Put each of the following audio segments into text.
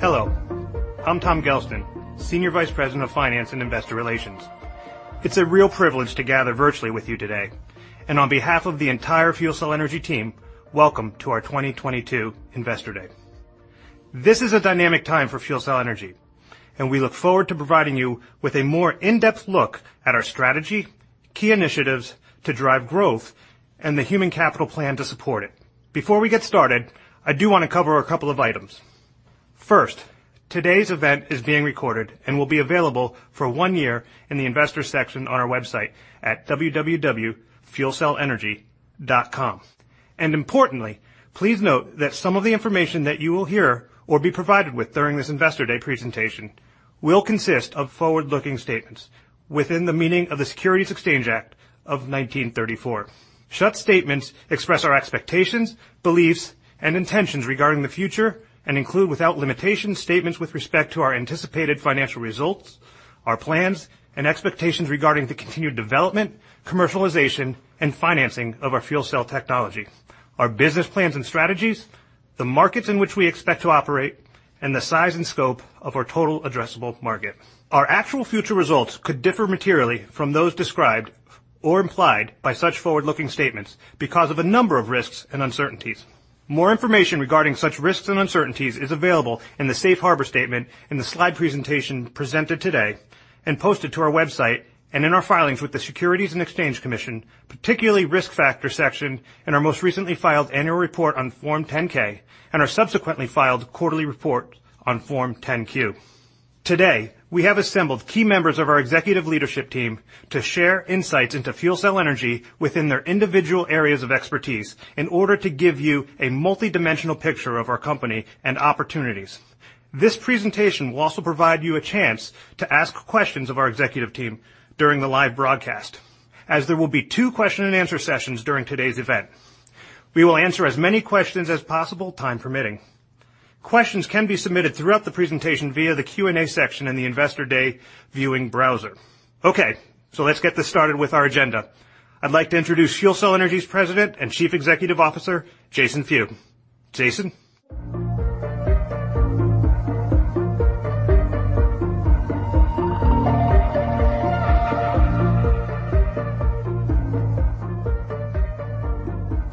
Hello, I'm Tom Gelston, Senior Vice President of Finance and Investor Relations. It's a real privilege to gather virtually with you today. On behalf of the entire FuelCell Energy team, welcome to our 2022 Investor Day. This is a dynamic time for FuelCell Energy, and we look forward to providing you with a more in-depth look at our strategy, key initiatives to drive growth, and the human capital plan to support it. Before we get started, I do wanna cover a couple of items. First, today's event is being recorded and will be available for one year in the investor section on our website at www.fuelcellenergy.com. Importantly, please note that some of the information that you will hear or be provided with during this Investor Day presentation will consist of forward-looking statements within the meaning of the Securities Exchange Act of 1934. Such statements express our expectations, beliefs, and intentions regarding the future and include, without limitation, statements with respect to our anticipated financial results, our plans and expectations regarding the continued development, commercialization, and financing of our fuel cell technology, our business plans and strategies, the markets in which we expect to operate, and the size and scope of our total addressable market. Our actual future results could differ materially from those described or implied by such forward-looking statements because of a number of risks and uncertainties. More information regarding such risks and uncertainties is available in the safe harbor statement in the slide presentation presented today and posted to our website and in our filings with the Securities and Exchange Commission, particularly Risk Factors section in our most recently filed annual report on Form 10-K and our subsequently filed quarterly report on Form 10-Q. Today, we have assembled key members of our executive leadership team to share insights into FuelCell Energy within their individual areas of expertise in order to give you a multidimensional picture of our company and opportunities. This presentation will also provide you a chance to ask questions of our executive team during the live broadcast, as there will be two question and answer sessions during today's event. We will answer as many questions as possible, time permitting. Questions can be submitted throughout the presentation via the Q&A section in the Investor Day viewing browser. Okay, let's get this started with our agenda. I'd like to introduce FuelCell Energy's President and Chief Executive Officer, Jason Few. Jason?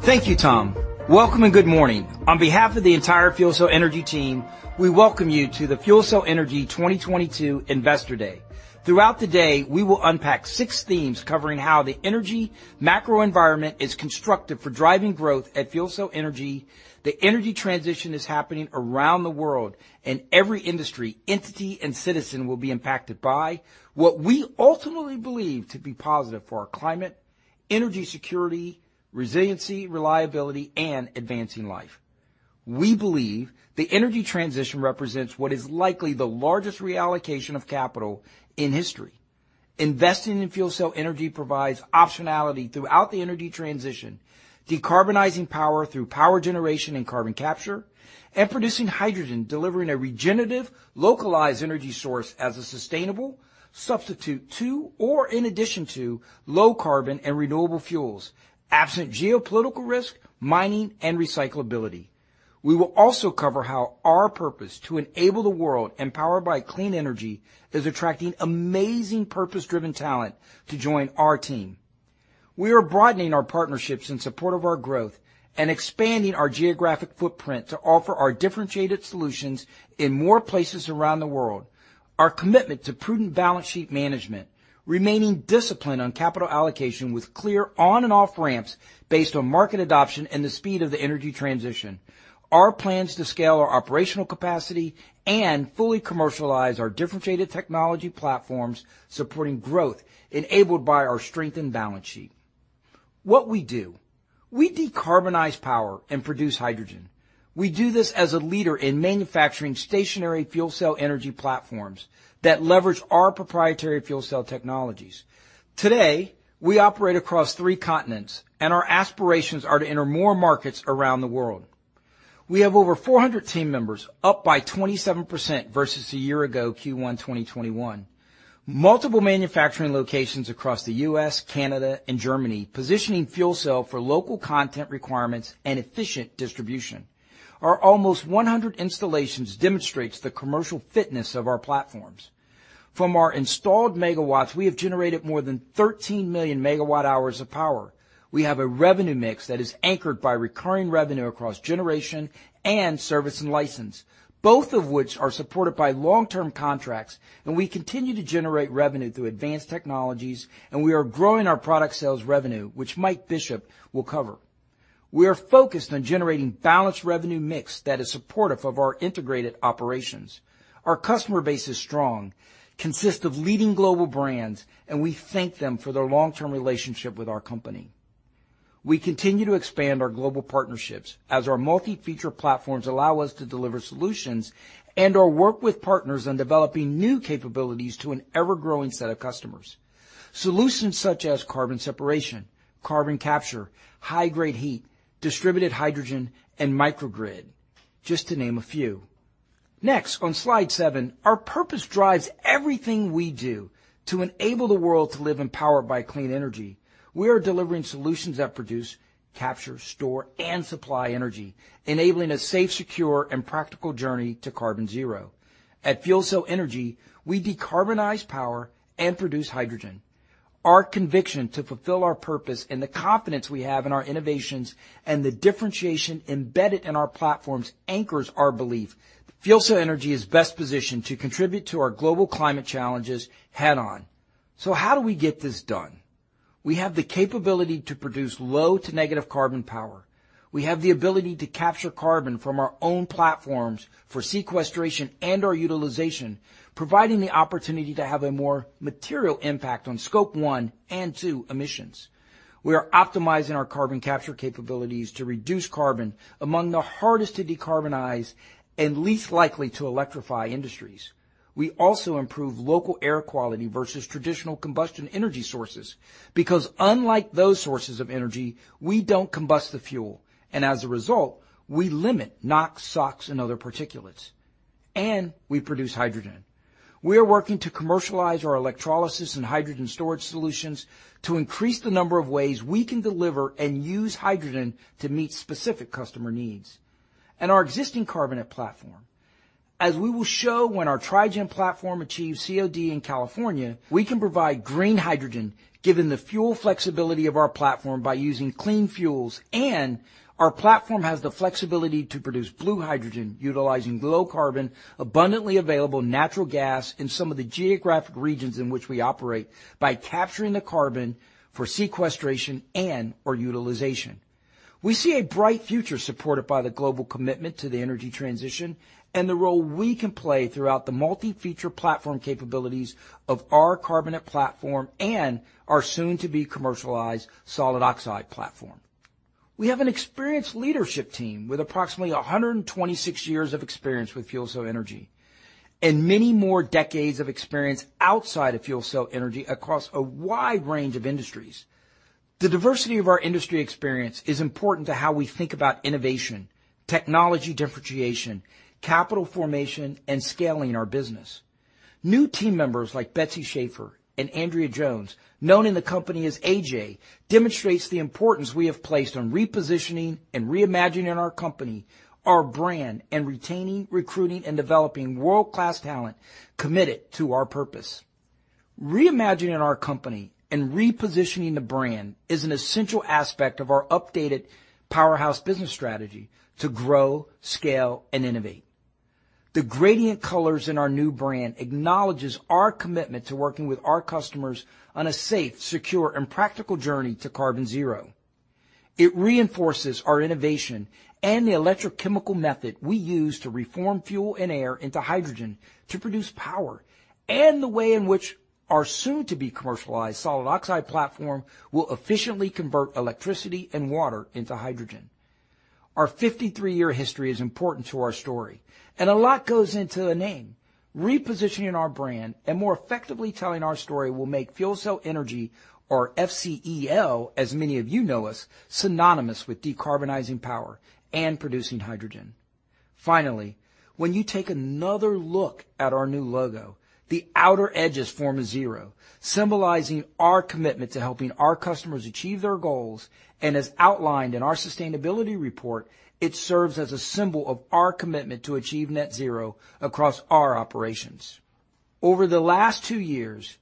Thank you, Tom. Welcome and good morning. On behalf of the entire FuelCell Energy team, we welcome you to the FuelCell Energy 2022 Investor Day. Throughout the day, we will unpack six themes covering how the energy macro environment is constructive for driving growth at FuelCell Energy. The energy transition is happening around the world, and every industry, entity, and citizen will be impacted by what we ultimately believe to be positive for our climate, energy security, resiliency, reliability, and advancing life. We believe the energy transition represents what is likely the largest reallocation of capital in history. Investing in FuelCell Energy provides optionality throughout the energy transition, decarbonizing power through power generation and carbon capture, and producing hydrogen, delivering a regenerative, localized energy source as a sustainable substitute to or in addition to low carbon and renewable fuels, absent geopolitical risk, mining, and recyclability. We will also cover how our purpose to enable a world powered by clean energy is attracting amazing purpose-driven talent to join our team. We are broadening our partnerships in support of our growth and expanding our geographic footprint to offer our differentiated solutions in more places around the world. Our commitment to prudent balance sheet management, remaining disciplined on capital allocation with clear on and off ramps based on market adoption and the speed of the energy transition. Our plans to scale our operational capacity and fully commercialize our differentiated technology platforms supporting growth enabled by our strengthened balance sheet. What we do. We decarbonize power and produce hydrogen. We do this as a leader in manufacturing stationary fuel cell energy platforms that leverage our proprietary fuel cell technologies. Today, we operate across three continents, and our aspirations are to enter more markets around the world. We have over 400 team members, up by 27% versus a year ago, Q1 2021. Multiple manufacturing locations across the U.S., Canada, and Germany, positioning FuelCell for local content requirements and efficient distribution. Our almost 100 installations demonstrates the commercial fitness of our platforms. From our installed megawatts, we have generated more than 13 million MWh of power. We have a revenue mix that is anchored by recurring revenue across generation and service and license, both of which are supported by long-term contracts. We continue to generate revenue through advanced technologies, and we are growing our product sales revenue, which Mike Bishop will cover. We are focused on generating balanced revenue mix that is supportive of our integrated operations. Our customer base is strong, consists of leading global brands, and we thank them for their long-term relationship with our company. We continue to expand our global partnerships as our multi-feature platforms allow us to deliver solutions and/or work with partners on developing new capabilities to an ever-growing set of customers. Solutions such as carbon separation, carbon capture, high-grade heat, distributed hydrogen, and microgrid, just to name a few. Next, on slide seven, our purpose drives everything we do to enable the world to live empowered by clean energy. We are delivering solutions that produce, capture, store, and supply energy, enabling a safe, secure, and practical journey to carbon zero. At FuelCell Energy, we decarbonize power and produce hydrogen. Our conviction to fulfill our purpose and the confidence we have in our innovations and the differentiation embedded in our platforms anchors our belief that FuelCell Energy is best positioned to contribute to our global climate challenges head on. How do we get this done? We have the capability to produce low to negative carbon power. We have the ability to capture carbon from our own platforms for sequestration and/or utilization, providing the opportunity to have a more material impact on Scope 1 and 2 emissions. We are optimizing our carbon capture capabilities to reduce carbon among the hardest to decarbonize and least likely to electrify industries. We also improve local air quality versus traditional combustion energy sources because unlike those sources of energy, we don't combust the fuel, and as a result, we limit NOx, SOx, and other particulates, and we produce hydrogen. We are working to commercialize our electrolysis and hydrogen storage solutions to increase the number of ways we can deliver and use hydrogen to meet specific customer needs. Our existing carbonate platform, as we will show when our Tri-gen platform achieves COD in California, we can provide green hydrogen given the fuel flexibility of our platform by using clean fuels. Our platform has the flexibility to produce blue hydrogen utilizing low-carbon, abundantly available natural gas in some of the geographic regions in which we operate by capturing the carbon for sequestration and/or utilization. We see a bright future supported by the global commitment to the energy transition and the role we can play throughout the multi-featured platform capabilities of our carbonate platform and our soon-to-be commercialized solid oxide platform. We have an experienced leadership team with approximately 126 years of experience with FuelCell Energy and many more decades of experience outside of FuelCell Energy across a wide range of industries. The diversity of our industry experience is important to how we think about innovation, technology differentiation, capital formation, and scaling our business. New team members like Betsy Schaefer and Andrea Jones, known in the company as AJ, demonstrates the importance we have placed on repositioning and reimagining our company, our brand, and retaining, recruiting, and developing world-class talent committed to our purpose. Reimagining our company and repositioning the brand is an essential aspect of our updated Powerhouse business strategy to grow, scale, and innovate. The gradient colors in our new brand acknowledges our commitment to working with our customers on a safe, secure, and practical journey to carbon zero. It reinforces our innovation and the electrochemical method we use to reform fuel and air into hydrogen to produce power, and the way in which our soon to be commercialized solid oxide platform will efficiently convert electricity and water into hydrogen. Our 53-year history is important to our story, and a lot goes into a name. Repositioning our brand and more effectively telling our story will make FuelCell Energy or FCEL, as many of you know us, synonymous with decarbonizing power and producing hydrogen. Finally, when you take another look at our new logo, the outer edges form a zero, symbolizing our commitment to helping our customers achieve their goals, and as outlined in our sustainability report, it serves as a symbol of our commitment to achieve net zero across our operations. Over the last two years,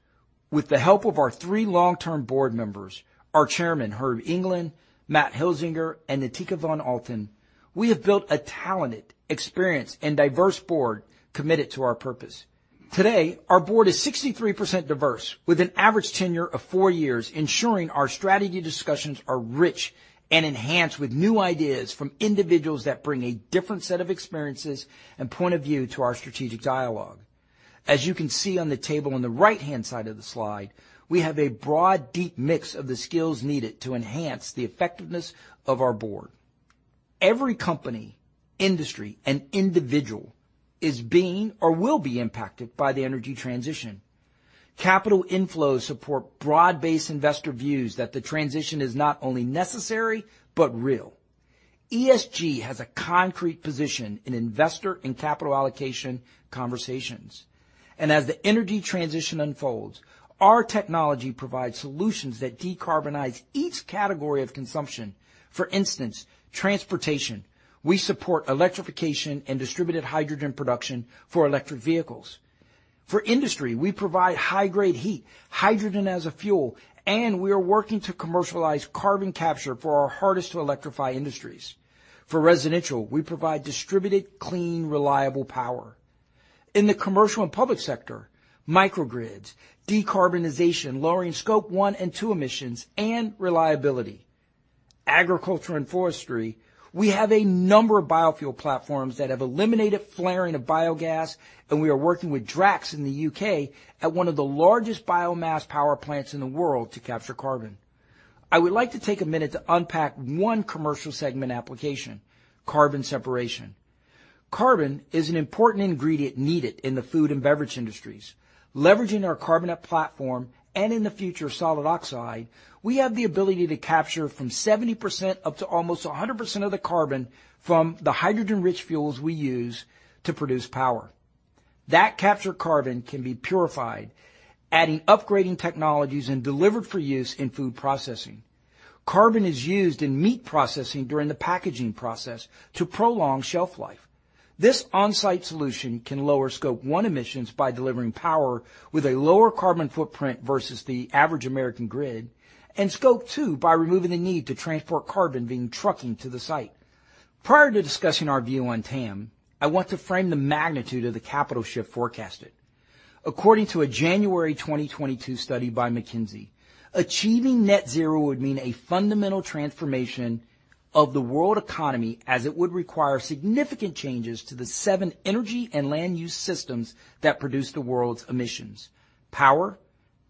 with the help of our three long-term board members, our Chairman, Herb England, Matt Hilzinger, and Natica von Althann, we have built a talented, experienced, and diverse board committed to our purpose. Today, our board is 63% diverse with an average tenure of four years, ensuring our strategy discussions are rich and enhanced with new ideas from individuals that bring a different set of experiences and point of view to our strategic dialogue. As you can see on the table on the right-hand side of the slide, we have a broad, deep mix of the skills needed to enhance the effectiveness of our board. Every company, industry, and individual is being or will be impacted by the energy transition. Capital inflows support broad-based investor views that the transition is not only necessary but real. ESG has a concrete position in investor and capital allocation conversations. As the energy transition unfolds, our technology provides solutions that decarbonize each category of consumption. For instance, transportation, we support electrification and distributed hydrogen production for electric vehicles. For industry, we provide high-grade heat, hydrogen as a fuel, and we are working to commercialize carbon capture for our hardest to electrify industries. For residential, we provide distributed, clean, reliable power. In the commercial and public sector, microgrids, decarbonization, lowering Scope 1 and 2 emissions, and reliability. Agriculture and forestry, we have a number of biofuel platforms that have eliminated flaring of biogas, and we are working with Drax in the U.K. at one of the largest biomass power plants in the world to capture carbon. I would like to take a minute to unpack one commercial segment application, carbon separation. Carbon is an important ingredient needed in the food and beverage industries. Leveraging our carbonate platform, and in the future, solid oxide, we have the ability to capture from 70% up to almost 100% of the carbon from the hydrogen-rich fuels we use to produce power. That captured carbon can be purified, adding upgrading technologies and delivered for use in food processing. Carbon is used in meat processing during the packaging process to prolong shelf life. This on-site solution can lower Scope 1 emissions by delivering power with a lower carbon footprint versus the average American grid and Scope 2 by removing the need to transport carbon being trucking to the site. Prior to discussing our view on TAM, I want to frame the magnitude of the capital shift forecasted. According to a January 2022 study by McKinsey, achieving net zero would mean a fundamental transformation of the world economy as it would require significant changes to the seven energy and land use systems that produce the world's emissions, power,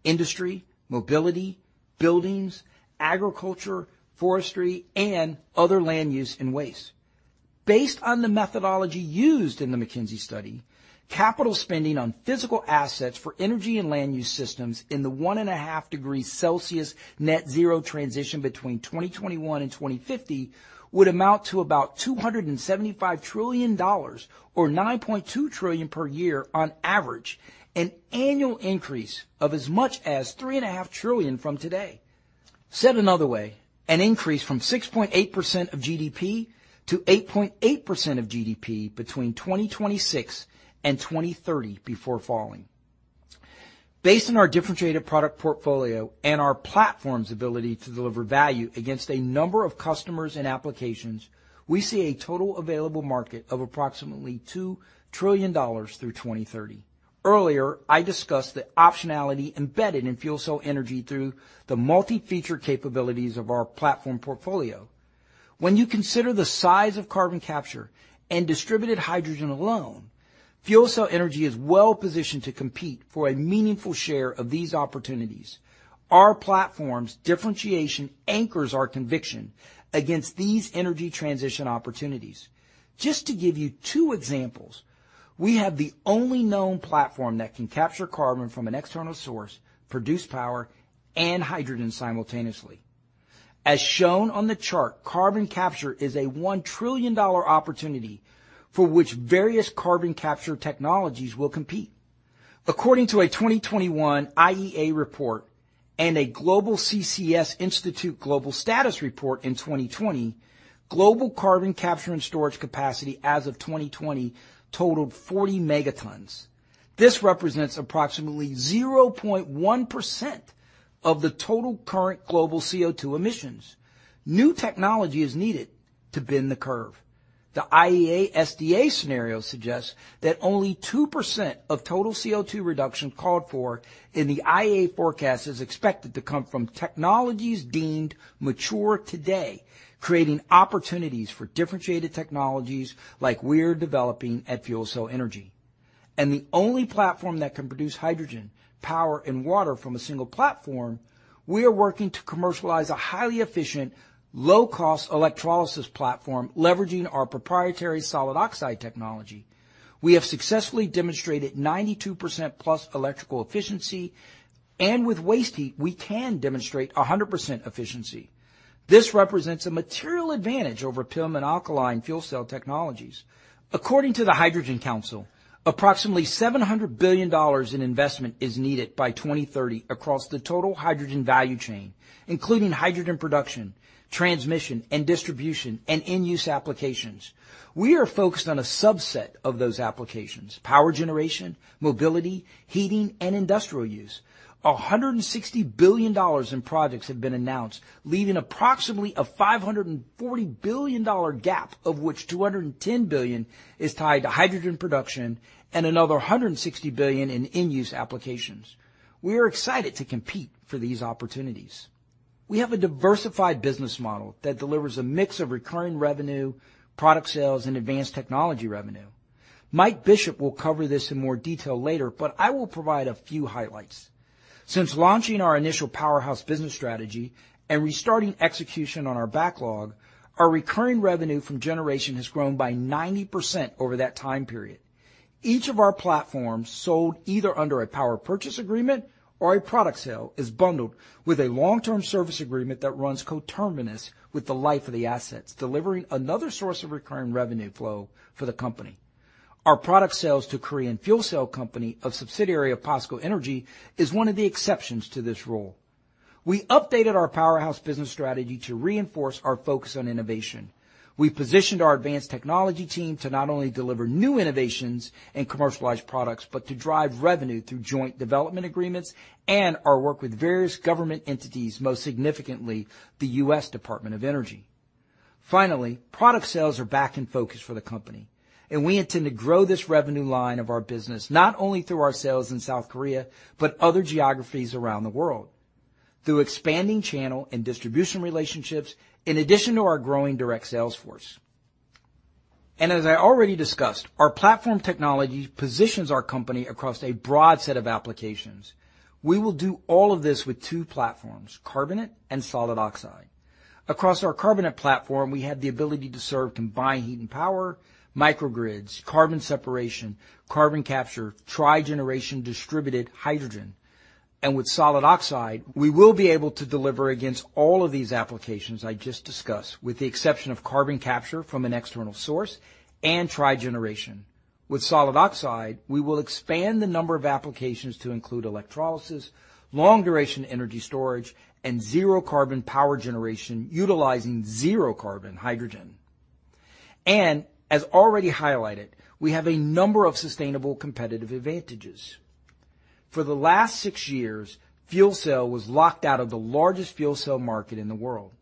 industry, mobility, buildings, agriculture, forestry, and other land use and waste. Based on the methodology used in the McKinsey study, capital spending on physical assets for energy and land use systems in the 1.5 degree Celsius net zero transition between 2021 and 2050 would amount to about $275 trillion or $9.2 trillion per year on average, an annual increase of as much as $3.5 trillion from today. Said another way, an increase from 6.8% of GDP to 8.8% of GDP between 2026 and 2030 before falling. Based on our differentiated product portfolio and our platform's ability to deliver value against a number of customers and applications, we see a total available market of approximately $2 trillion through 2030. Earlier, I discussed the optionality embedded in FuelCell Energy through the multi feature capabilities of our platform portfolio. When you consider the size of carbon capture and distributed hydrogen alone, FuelCell Energy is well-positioned to compete for a meaningful share of these opportunities. Our platform's differentiation anchors our conviction against these energy transition opportunities. Just to give you two examples, we have the only known platform that can capture carbon from an external source, produce power, and hydrogen simultaneously. As shown on the chart, carbon capture is a $1 trillion opportunity for which various carbon capture technologies will compete. According to a 2021 IEA report and a Global CCS Institute Global Status Report in 2020, global carbon capture and storage capacity as of 2020 totaled 40 megatons. This represents approximately 0.1% of the total current global CO2 emissions. New technology is needed to bend the curve. The IEA SDS scenario suggests that only 2% of total CO2 reduction called for in the IEA forecast is expected to come from technologies deemed mature today, creating opportunities for differentiated technologies like we're developing at FuelCell Energy. The only platform that can produce hydrogen, power, and water from a single platform, we are working to commercialize a highly efficient, low cost electrolysis platform leveraging our proprietary solid oxide technology. We have successfully demonstrated 92%+ electrical efficiency, and with waste heat, we can demonstrate 100% efficiency. This represents a material advantage over PEM and alkaline fuel cell technologies. According to the Hydrogen Council, approximately $700 billion in investment is needed by 2030 across the total hydrogen value chain, including hydrogen production, transmission and distribution, and in-use applications. We are focused on a subset of those applications: power generation, mobility, heating, and industrial use. $160 billion in projects have been announced, leaving approximately a $540 billion gap, of which $210 billion is tied to hydrogen production and another $160 billion in in-use applications. We are excited to compete for these opportunities. We have a diversified business model that delivers a mix of recurring revenue, product sales, and advanced technology revenue. Mike Bishop will cover this in more detail later, but I will provide a few highlights. Since launching our initial Powerhouse business strategy and restarting execution on our backlog, our recurring revenue from generation has grown by 90% over that time period. Each of our platforms sold either under a power purchase agreement or a product sale is bundled with a long-term service agreement that runs coterminous with the life of the assets, delivering another source of recurring revenue flow for the company. Our product sales to Korea Fuel Cell company, a subsidiary of POSCO Energy, is one of the exceptions to this rule. We updated our Powerhouse business strategy to reinforce our focus on innovation. We positioned our advanced technology team to not only deliver new innovations and commercialized products but to drive revenue through joint development agreements and our work with various government entities, most significantly the U.S. Department of Energy. Finally, product sales are back in focus for the company, and we intend to grow this revenue line of our business, not only through our sales in South Korea, but other geographies around the world through expanding channel and distribution relationships in addition to our growing direct sales force. As I already discussed, our platform technology positions our company across a broad set of applications. We will do all of this with two platforms, carbonate and solid oxide. Across our carbonate platform, we have the ability to serve combined heat and power, microgrids, carbon separation, carbon capture, trigeneration, distributed hydrogen. With solid oxide, we will be able to deliver against all of these applications I just discussed with the exception of carbon capture from an external source and trigeneration. With solid oxide, we will expand the number of applications to include electrolysis, long duration energy storage, and zero carbon power generation utilizing zero carbon hydrogen. As already highlighted, we have a number of sustainable competitive advantages. For the last six years, FuelCell Energy was locked out of the largest fuel cell market in the world.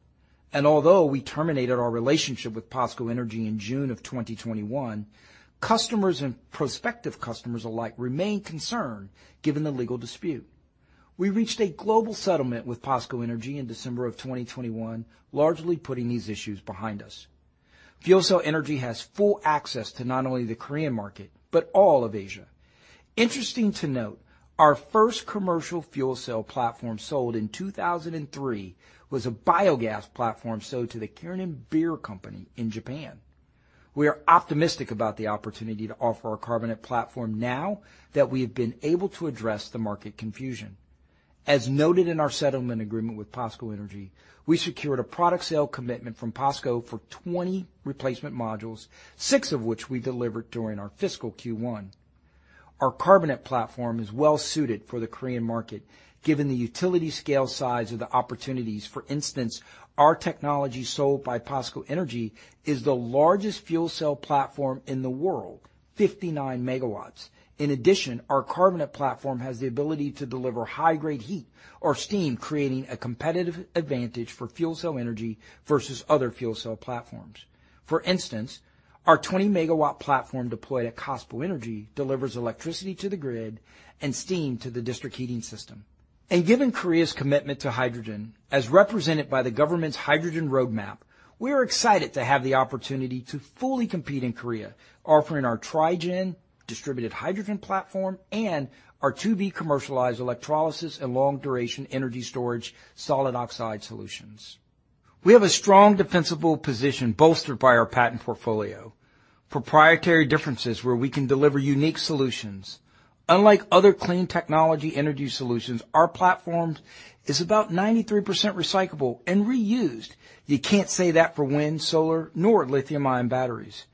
Although we terminated our relationship with POSCO Energy in June 2021, customers and prospective customers alike remain concerned given the legal dispute. We reached a global settlement with POSCO Energy in December 2021, largely putting these issues behind us. FuelCell Energy has full access to not only the Korean market, but all of Asia. Interesting to note, our first commercial fuel cell platform sold in 2003 was a biogas platform sold to the Kirin Brewery Company in Japan. We are optimistic about the opportunity to offer our carbonate platform now that we have been able to address the market confusion. As noted in our settlement agreement with POSCO Energy, we secured a product sale commitment from POSCO for 20 replacement modules, six of which we delivered during our fiscal Q1. Our carbonate platform is well suited for the Korean market given the utility scale size of the opportunities. For instance, our technology sold by POSCO Energy is the largest fuel cell platform in the world, 59 MW. In addition, our carbonate platform has the ability to deliver high-grade heat or steam, creating a competitive advantage for FuelCell Energy versus other fuel cell platforms. For instance, our 20-MW platform deployed at POSCO Energy delivers electricity to the grid and steam to the district heating system. Given Korea's commitment to hydrogen as represented by the government's hydrogen roadmap, we are excited to have the opportunity to fully compete in Korea offering our Tri-gen distributed hydrogen platform and our to-be commercialized electrolysis and long-duration energy storage solid oxide solutions. We have a strong defensible position bolstered by our patent portfolio, proprietary differences where we can deliver unique solutions. Unlike other clean technology energy solutions, our platform is about 93% recyclable and reused. You can't say that for wind, solar, nor lithium-ion batteries.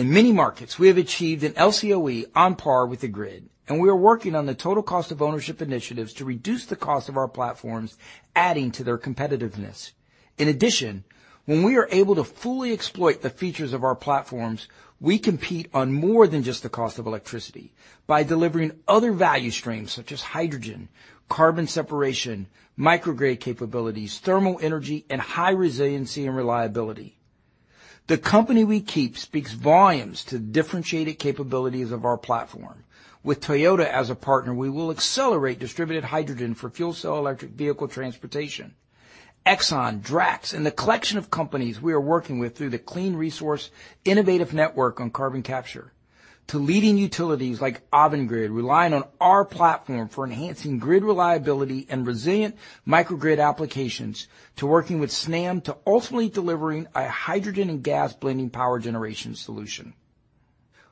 In many markets, we have achieved an LCOE on par with the grid, and we are working on the total cost of ownership initiatives to reduce the cost of our platforms, adding to their competitiveness. In addition, when we are able to fully exploit the features of our platforms, we compete on more than just the cost of electricity by delivering other value streams such as hydrogen, carbon separation, microgrid capabilities, thermal energy, and high resiliency and reliability. The company we keep speaks volumes to the differentiated capabilities of our platform. With Toyota as a partner, we will accelerate distributed hydrogen for fuel cell electric vehicle transportation. Exxon, Drax, and the collection of companies we are working with through the Clean Resource Innovation Network on carbon capture to leading utilities like Avangrid relying on our platform for enhancing grid reliability and resilient microgrid applications to working with Snam to ultimately delivering a hydrogen and gas blending power generation solution.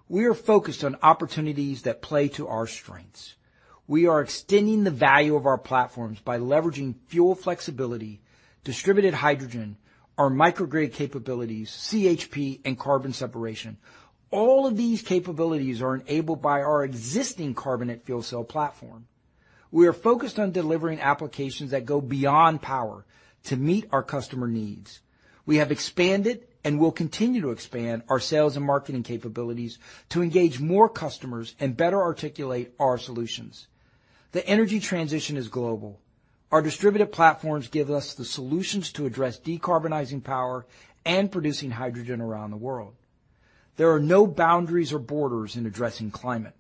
We are focused on opportunities that play to our strengths. We are extending the value of our platforms by leveraging fuel flexibility, distributed hydrogen, our microgrid capabilities, CHP, and carbon separation. All of these capabilities are enabled by our existing carbonate fuel cell platform. We are focused on delivering applications that go beyond power to meet our customer needs. We have expanded and will continue to expand our sales and marketing capabilities to engage more customers and better articulate our solutions. The energy transition is global. Our distributed platforms give us the solutions to address decarbonizing power and producing hydrogen around the world. There are no boundaries or borders in addressing climate.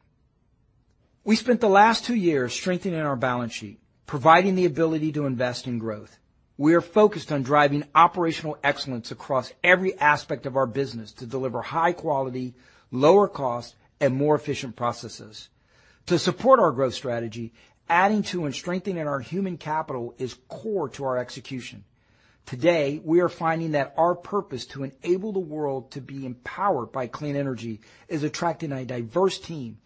We spent the last two years strengthening our balance sheet, providing the ability to invest in growth. We are focused on driving operational excellence across every aspect of our business to deliver high quality, lower cost, and more efficient processes. To support our growth strategy, adding to and strengthening our human capital is core to our execution. Today, we are finding that our purpose to enable the world to be empowered by clean energy is attracting a diverse team.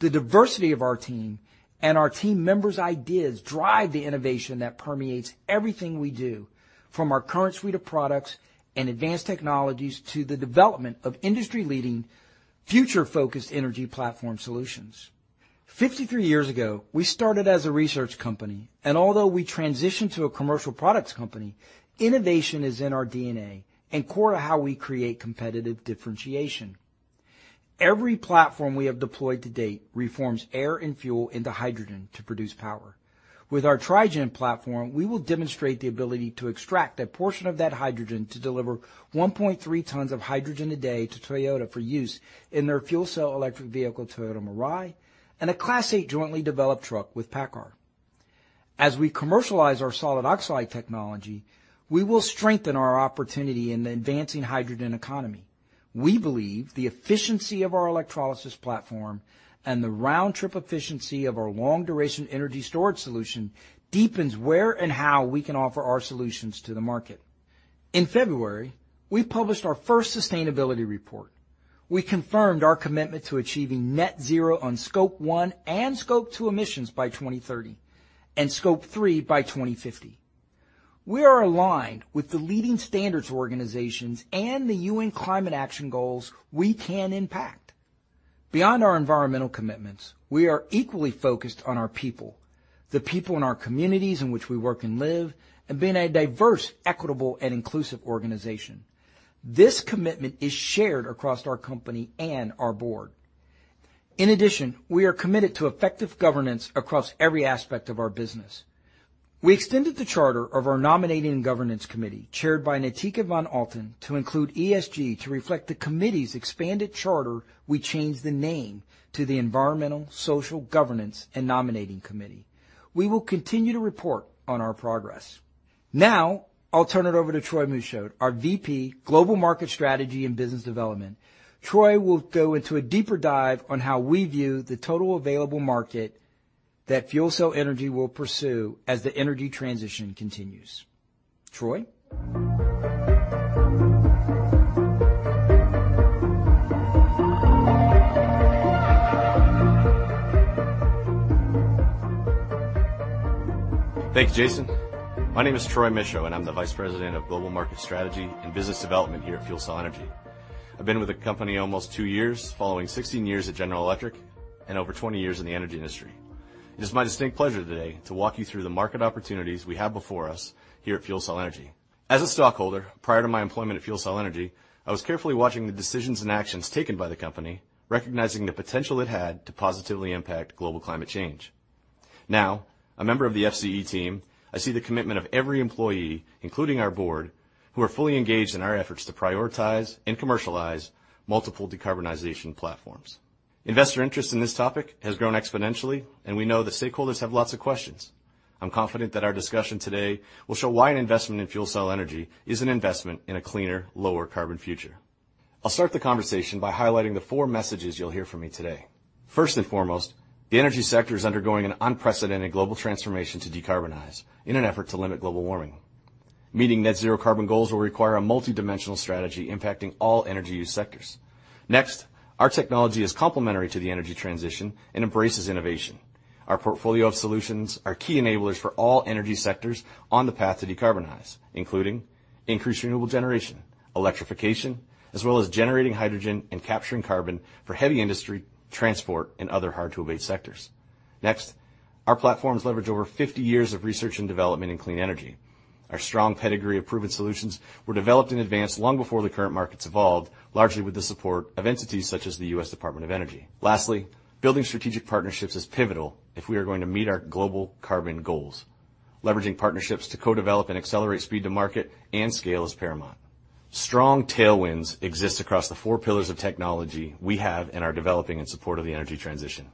The diversity of our team and our team members' ideas drive the innovation that permeates everything we do, from our current suite of products and advanced technologies to the development of industry-leading, future-focused energy platform solutions. 53 years ago, we started as a research company, and although we transitioned to a commercial products company, innovation is in our DNA and core to how we create competitive differentiation. Every platform we have deployed to date reforms air and fuel into hydrogen to produce power. With our Tri-gen platform, we will demonstrate the ability to extract a portion of that hydrogen to deliver 1.3 tons of hydrogen a day to Toyota for use in their fuel cell electric vehicle, Toyota Mirai, and a Class 8 jointly developed truck with PACCAR. As we commercialize our solid oxide technology, we will strengthen our opportunity in the advancing hydrogen economy. We believe the efficiency of our electrolysis platform and the round trip efficiency of our long duration energy storage solution deepens where and how we can offer our solutions to the market. In February, we published our first sustainability report. We confirmed our commitment to achieving net zero on Scope 1 and Scope 2 emissions by 2030 and Scope 3 by 2050. We are aligned with the leading standards organizations and the U.N. climate action goals we can impact. Beyond our environmental commitments, we are equally focused on our people, the people in our communities in which we work and live, and being a diverse, equitable, and inclusive organization. This commitment is shared across our company and our board. In addition, we are committed to effective governance across every aspect of our business. We extended the charter of our nominating governance committee, chaired by Natica von Althann, to include ESG. To reflect the committee's expanded charter, we changed the name to the Environmental, Social, Governance, and Nominating Committee. We will continue to report on our progress. Now I'll turn it over to Troy Michaud, our VP, Global Market Strategy and Business Development. Troy will go into a deeper dive on how we view the total available market that FuelCell Energy will pursue as the energy transition continues. Troy? Thanks, Jason. My name is Troy Michaud, and I'm the Vice President of Global Market Strategy and Business Development here at FuelCell Energy. I've been with the company almost two years, following 16 years at General Electric and over 20 years in the energy industry. It is my distinct pleasure today to walk you through the market opportunities we have before us here at FuelCell Energy. As a stockholder, prior to my employment at FuelCell Energy, I was carefully watching the decisions and actions taken by the company, recognizing the potential it had to positively impact global climate change. Now, a member of the FCE team, I see the commitment of every employee, including our board, who are fully engaged in our efforts to prioritize and commercialize multiple decarbonization platforms. Investor interest in this topic has grown exponentially, and we know that stakeholders have lots of questions. I'm confident that our discussion today will show why an investment in FuelCell Energy is an investment in a cleaner, lower carbon future. I'll start the conversation by highlighting the four messages you'll hear from me today. First and foremost, the energy sector is undergoing an unprecedented global transformation to decarbonize in an effort to limit global warming. Meeting net zero carbon goals will require a multidimensional strategy impacting all energy use sectors. Next, our technology is complementary to the energy transition and embraces innovation. Our portfolio of solutions are key enablers for all energy sectors on the path to decarbonize, including increased renewable generation, electrification, as well as generating hydrogen and capturing carbon for heavy industry, transport, and other hard-to-abate sectors. Next, our platforms leverage over 50 years of research and development in clean energy. Our strong pedigree of proven solutions were developed in advance long before the current markets evolved, largely with the support of entities such as the U.S. Department of Energy. Lastly, building strategic partnerships is pivotal if we are going to meet our global carbon goals. Leveraging partnerships to co-develop and accelerate speed to market and scale is paramount. Strong tailwinds exist across the four pillars of technology we have and are developing in support of the energy transition.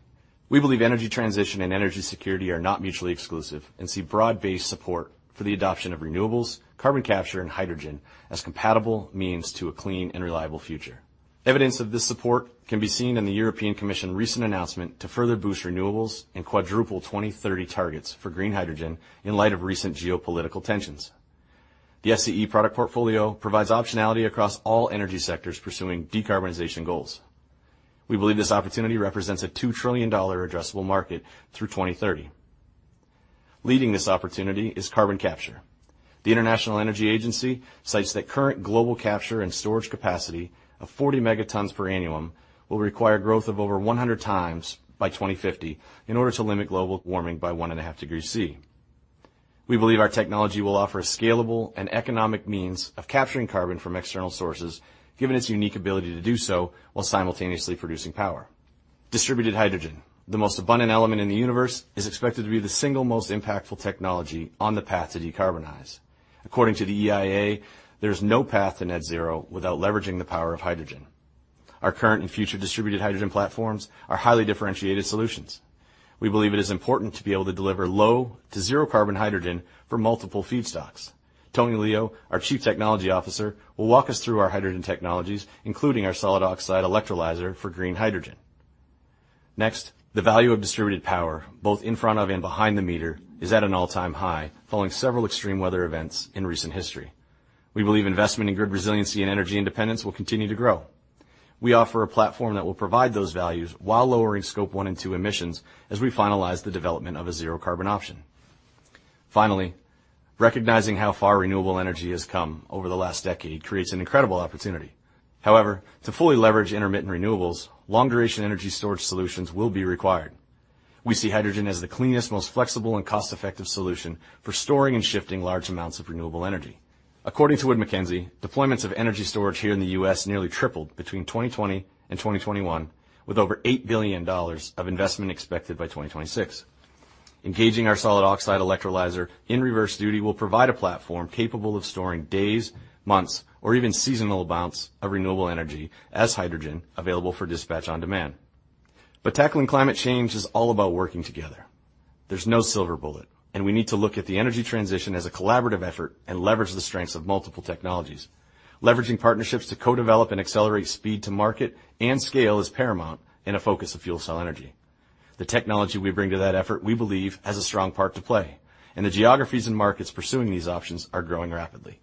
We believe energy transition and energy security are not mutually exclusive and see broad-based support for the adoption of renewables, carbon capture, and hydrogen as compatible means to a clean and reliable future. Evidence of this support can be seen in the European Commission recent announcement to further boost renewables and quadruple 2030 targets for green hydrogen in light of recent geopolitical tensions. The FCE product portfolio provides optionality across all energy sectors pursuing decarbonization goals. We believe this opportunity represents a $2 trillion addressable market through 2030. Leading this opportunity is carbon capture. The International Energy Agency cites that current global capture and storage capacity of 40 megatons per annum will require growth of over 100 times by 2050 in order to limit global warming by 1.5 degrees Celsius. We believe our technology will offer a scalable and economic means of capturing carbon from external sources, given its unique ability to do so while simultaneously producing power. Distributed hydrogen, the most abundant element in the universe, is expected to be the single most impactful technology on the path to decarbonize. According to the EIA, there's no path to net zero without leveraging the power of hydrogen. Our current and future distributed hydrogen platforms are highly differentiated solutions. We believe it is important to be able to deliver low to zero carbon hydrogen for multiple feedstocks. Tony Leo, our Chief Technology Officer, will walk us through our hydrogen technologies, including our solid oxide electrolyzer for green hydrogen. Next, the value of distributed power, both in front of and behind the meter, is at an all-time high following several extreme weather events in recent history. We believe investment in grid resiliency and energy independence will continue to grow. We offer a platform that will provide those values while lowering scope one and two emissions as we finalize the development of a zero carbon option. Finally, recognizing how far renewable energy has come over the last decade creates an incredible opportunity. However, to fully leverage intermittent renewables, long-duration energy storage solutions will be required. We see hydrogen as the cleanest, most flexible, and cost-effective solution for storing and shifting large amounts of renewable energy. According to Wood Mackenzie, deployments of energy storage here in the U.S. nearly tripled between 2020 and 2021, with over $8 billion of investment expected by 2026. Engaging our solid oxide electrolyzer in reverse duty will provide a platform capable of storing days, months, or even seasonal amounts of renewable energy as hydrogen available for dispatch on demand. Tackling climate change is all about working together. There's no silver bullet, and we need to look at the energy transition as a collaborative effort and leverage the strengths of multiple technologies. Leveraging partnerships to co-develop and accelerate speed to market and scale is paramount in a focus of FuelCell Energy. The technology we bring to that effort, we believe, has a strong part to play, and the geographies and markets pursuing these options are growing rapidly.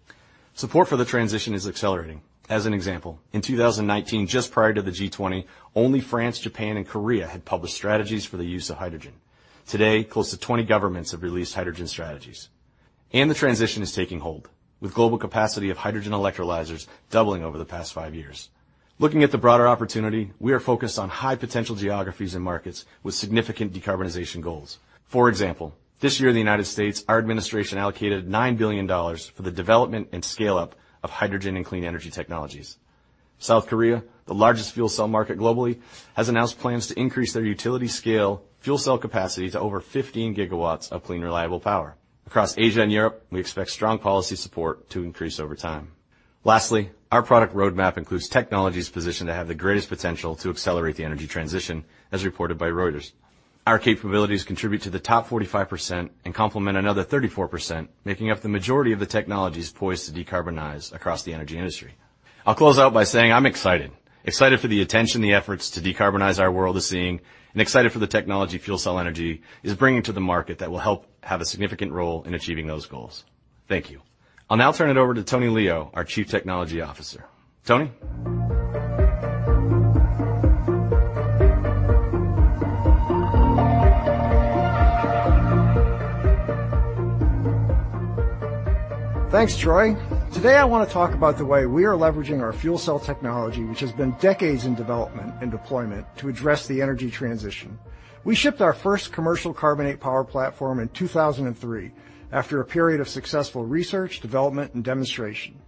Support for the transition is accelerating. As an example, in 2019, just prior to the G20, only France, Japan, and Korea had published strategies for the use of hydrogen. Today, close to 20 governments have released hydrogen strategies. The transition is taking hold, with global capacity of hydrogen electrolyzers doubling over the past five years. Looking at the broader opportunity, we are focused on high-potential geographies and markets with significant decarbonization goals. For example, this year in the United States, our administration allocated $9 billion for the development and scale-up of hydrogen and clean energy technologies. South Korea, the largest fuel cell market globally, has announced plans to increase their utility scale fuel cell capacity to over 15 GW of clean, reliable power. Across Asia and Europe, we expect strong policy support to increase over time. Lastly, our product roadmap includes technologies positioned to have the greatest potential to accelerate the energy transition, as reported by Reuters. Our capabilities contribute to the top 45% and complement another 34%, making up the majority of the technologies poised to decarbonize across the energy industry. I'll close out by saying I'm excited for the attention the efforts to decarbonize our world is seeing and excited for the technology FuelCell Energy is bringing to the market that will help have a significant role in achieving those goals. Thank you. I'll now turn it over to Tony Leo, our Chief Technology Officer. Tony? Thanks, Troy. Today, I wanna talk about the way we are leveraging our fuel cell technology, which has been decades in development and deployment to address the energy transition. We shipped our first commercial carbonate power platform in 2003 after a period of successful research, development, and demonstration.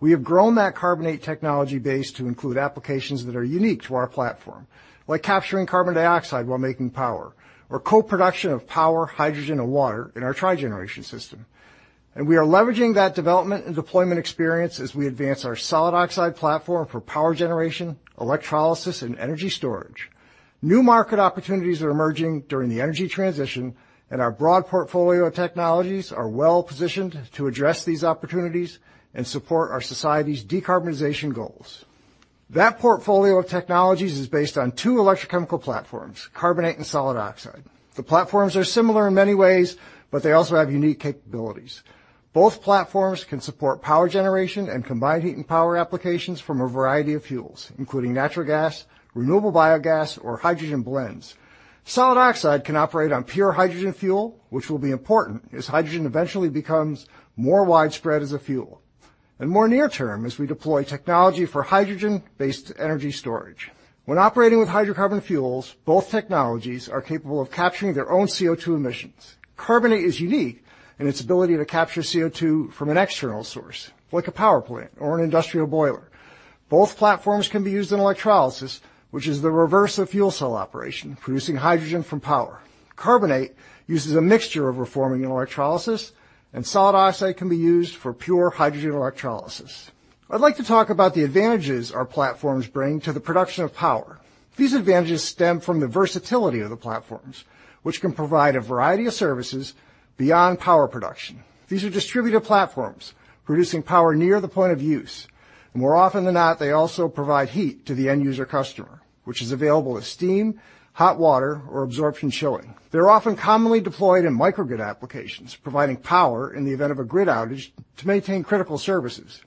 We have grown that carbonate technology base to include applications that are unique to our platform, like capturing carbon dioxide while making power or co-production of power, hydrogen, and water in our trigeneration system. We are leveraging that development and deployment experience as we advance our solid oxide platform for power generation, electrolysis, and energy storage. New market opportunities are emerging during the energy transition, and our broad portfolio of technologies are well-positioned to address these opportunities and support our society's decarbonization goals. That portfolio of technologies is based on two electrochemical platforms, carbonate and solid oxide. The platforms are similar in many ways, but they also have unique capabilities. Both platforms can support power generation and combined heat and power applications from a variety of fuels, including natural gas, renewable biogas, or hydrogen blends. Solid oxide can operate on pure hydrogen fuel, which will be important as hydrogen eventually becomes more widespread as a fuel, and more near-term as we deploy technology for hydrogen-based energy storage. When operating with hydrocarbon fuels, both technologies are capable of capturing their own CO2 emissions. Carbonate is unique in its ability to capture CO2 from an external source, like a power plant or an industrial boiler. Both platforms can be used in electrolysis, which is the reverse of fuel cell operation, producing hydrogen from power. Carbonate uses a mixture of reforming and electrolysis, and solid oxide can be used for pure hydrogen electrolysis. I'd like to talk about the advantages our platforms bring to the production of power. These advantages stem from the versatility of the platforms, which can provide a variety of services beyond power production. These are distributed platforms producing power near the point of use, and more often than not, they also provide heat to the end user customer, which is available as steam, hot water, or absorption chilling. They're often commonly deployed in microgrid applications, providing power in the event of a grid outage to maintain critical services.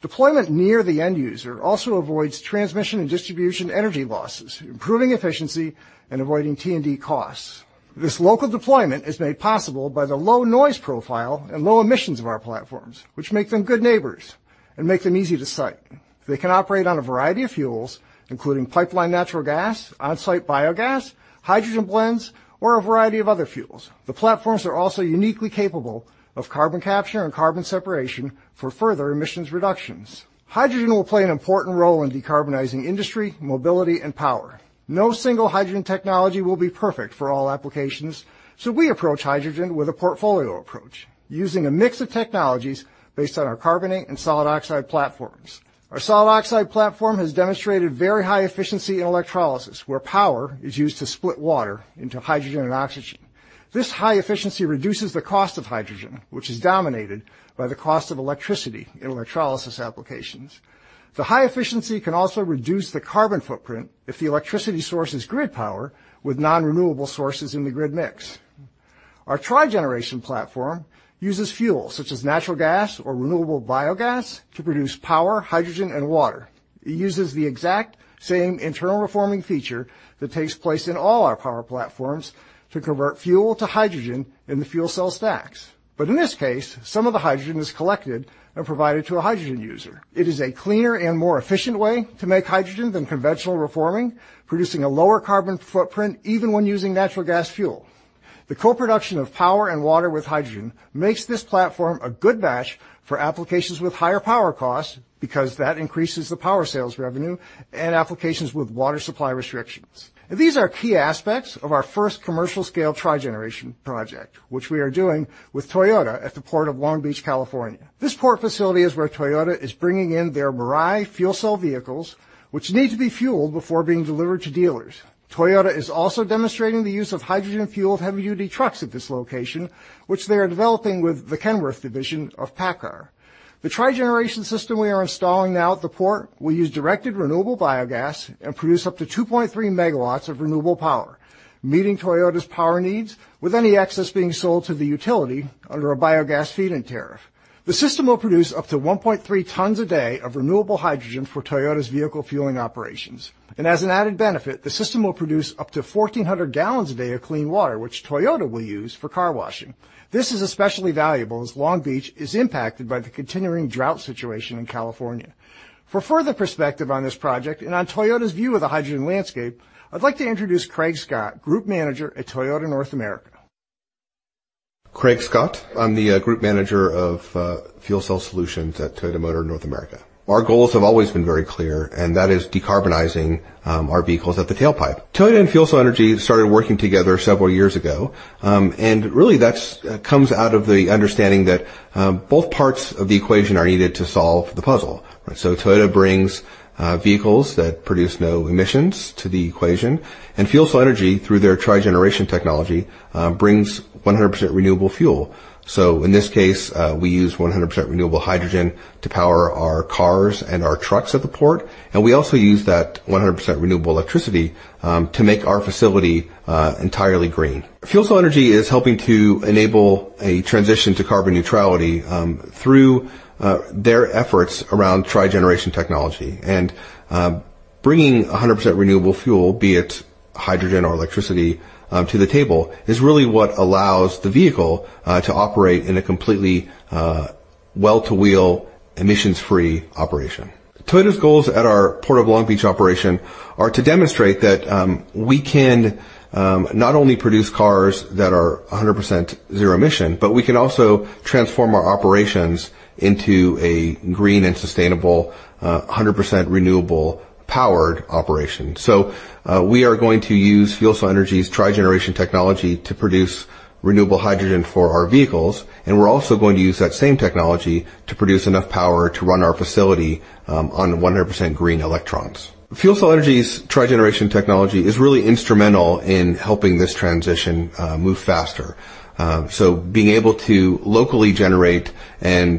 Deployment near the end user also avoids transmission and distribution energy losses, improving efficiency and avoiding T&D costs. This local deployment is made possible by the low noise profile and low emissions of our platforms, which make them good neighbors and make them easy to site. They can operate on a variety of fuels, including pipeline natural gas, on-site biogas, hydrogen blends, or a variety of other fuels. The platforms are also uniquely capable of carbon capture and carbon separation for further emissions reductions. Hydrogen will play an important role in decarbonizing industry, mobility, and power. No single hydrogen technology will be perfect for all applications, so we approach hydrogen with a portfolio approach using a mix of technologies based on our carbonate and solid oxide platforms. Our solid oxide platform has demonstrated very high efficiency in electrolysis, where power is used to split water into hydrogen and oxygen. This high efficiency reduces the cost of hydrogen, which is dominated by the cost of electricity in electrolysis applications. The high efficiency can also reduce the carbon footprint if the electricity source is grid power with non-renewable sources in the grid mix. Our Tri-gen platform uses fuel such as natural gas or renewable biogas to produce power, hydrogen, and water. It uses the exact same internal reforming feature that takes place in all our power platforms to convert fuel to hydrogen in the fuel cell stacks. But in this case, some of the hydrogen is collected and provided to a hydrogen user. It is a cleaner and more efficient way to make hydrogen than conventional reforming, producing a lower carbon footprint even when using natural gas fuel. The co-production of power and water with hydrogen makes this platform a good match for applications with higher power costs because that increases the power sales revenue and applications with water supply restrictions. These are key aspects of our first commercial scale Tri-gen project, which we are doing with Toyota at the Port of Long Beach, California. This port facility is where Toyota is bringing in their Mirai fuel cell vehicles, which need to be fueled before being delivered to dealers. Toyota is also demonstrating the use of hydrogen fueled heavy duty trucks at this location, which they are developing with the Kenworth division of PACCAR. The Tri-gen system we are installing now at the port will use digested renewable biogas and produce up to 2.3 MW of renewable power, meeting Toyota's power needs with any excess being sold to the utility under a biogas feed-in tariff. The system will produce up to 1.3 tons a day of renewable hydrogen for Toyota's vehicle fueling operations. As an added benefit, the system will produce up to 1,400 gallons a day of clean water, which Toyota will use for car washing. This is especially valuable as Long Beach is impacted by the continuing drought situation in California. For further perspective on this project and on Toyota's view of the hydrogen landscape, I'd like to introduce Craig Scott, Group Manager at Toyota North America. Craig Scott. I'm the group manager of fuel cell solutions at Toyota Motor North America. Our goals have always been very clear, and that is decarbonizing our vehicles at the tailpipe. Toyota and FuelCell Energy started working together several years ago, and really that's comes out of the understanding that both parts of the equation are needed to solve the puzzle. Toyota brings vehicles that produce no emissions to the equation, and FuelCell Energy, through their trigeneration technology, brings 100% renewable fuel. In this case, we use 100% renewable hydrogen to power our cars and our trucks at the port, and we also use that 100% renewable electricity to make our facility entirely green. FuelCell Energy is helping to enable a transition to carbon neutrality through their efforts around trigeneration technology. Bringing 100% renewable fuel, be it hydrogen or electricity, to the table is really what allows the vehicle to operate in a completely well-to-wheel emissions-free operation. Toyota's goals at our Port of Long Beach operation are to demonstrate that we can not only produce cars that are 100% zero emission, but we can also transform our operations into a green and sustainable 100% renewable powered operation. We are going to use FuelCell Energy's trigeneration technology to produce renewable hydrogen for our vehicles, and we're also going to use that same technology to produce enough power to run our facility on 100% green electrons. FuelCell Energy's Tri-gen technology is really instrumental in helping this transition move faster. Being able to locally generate and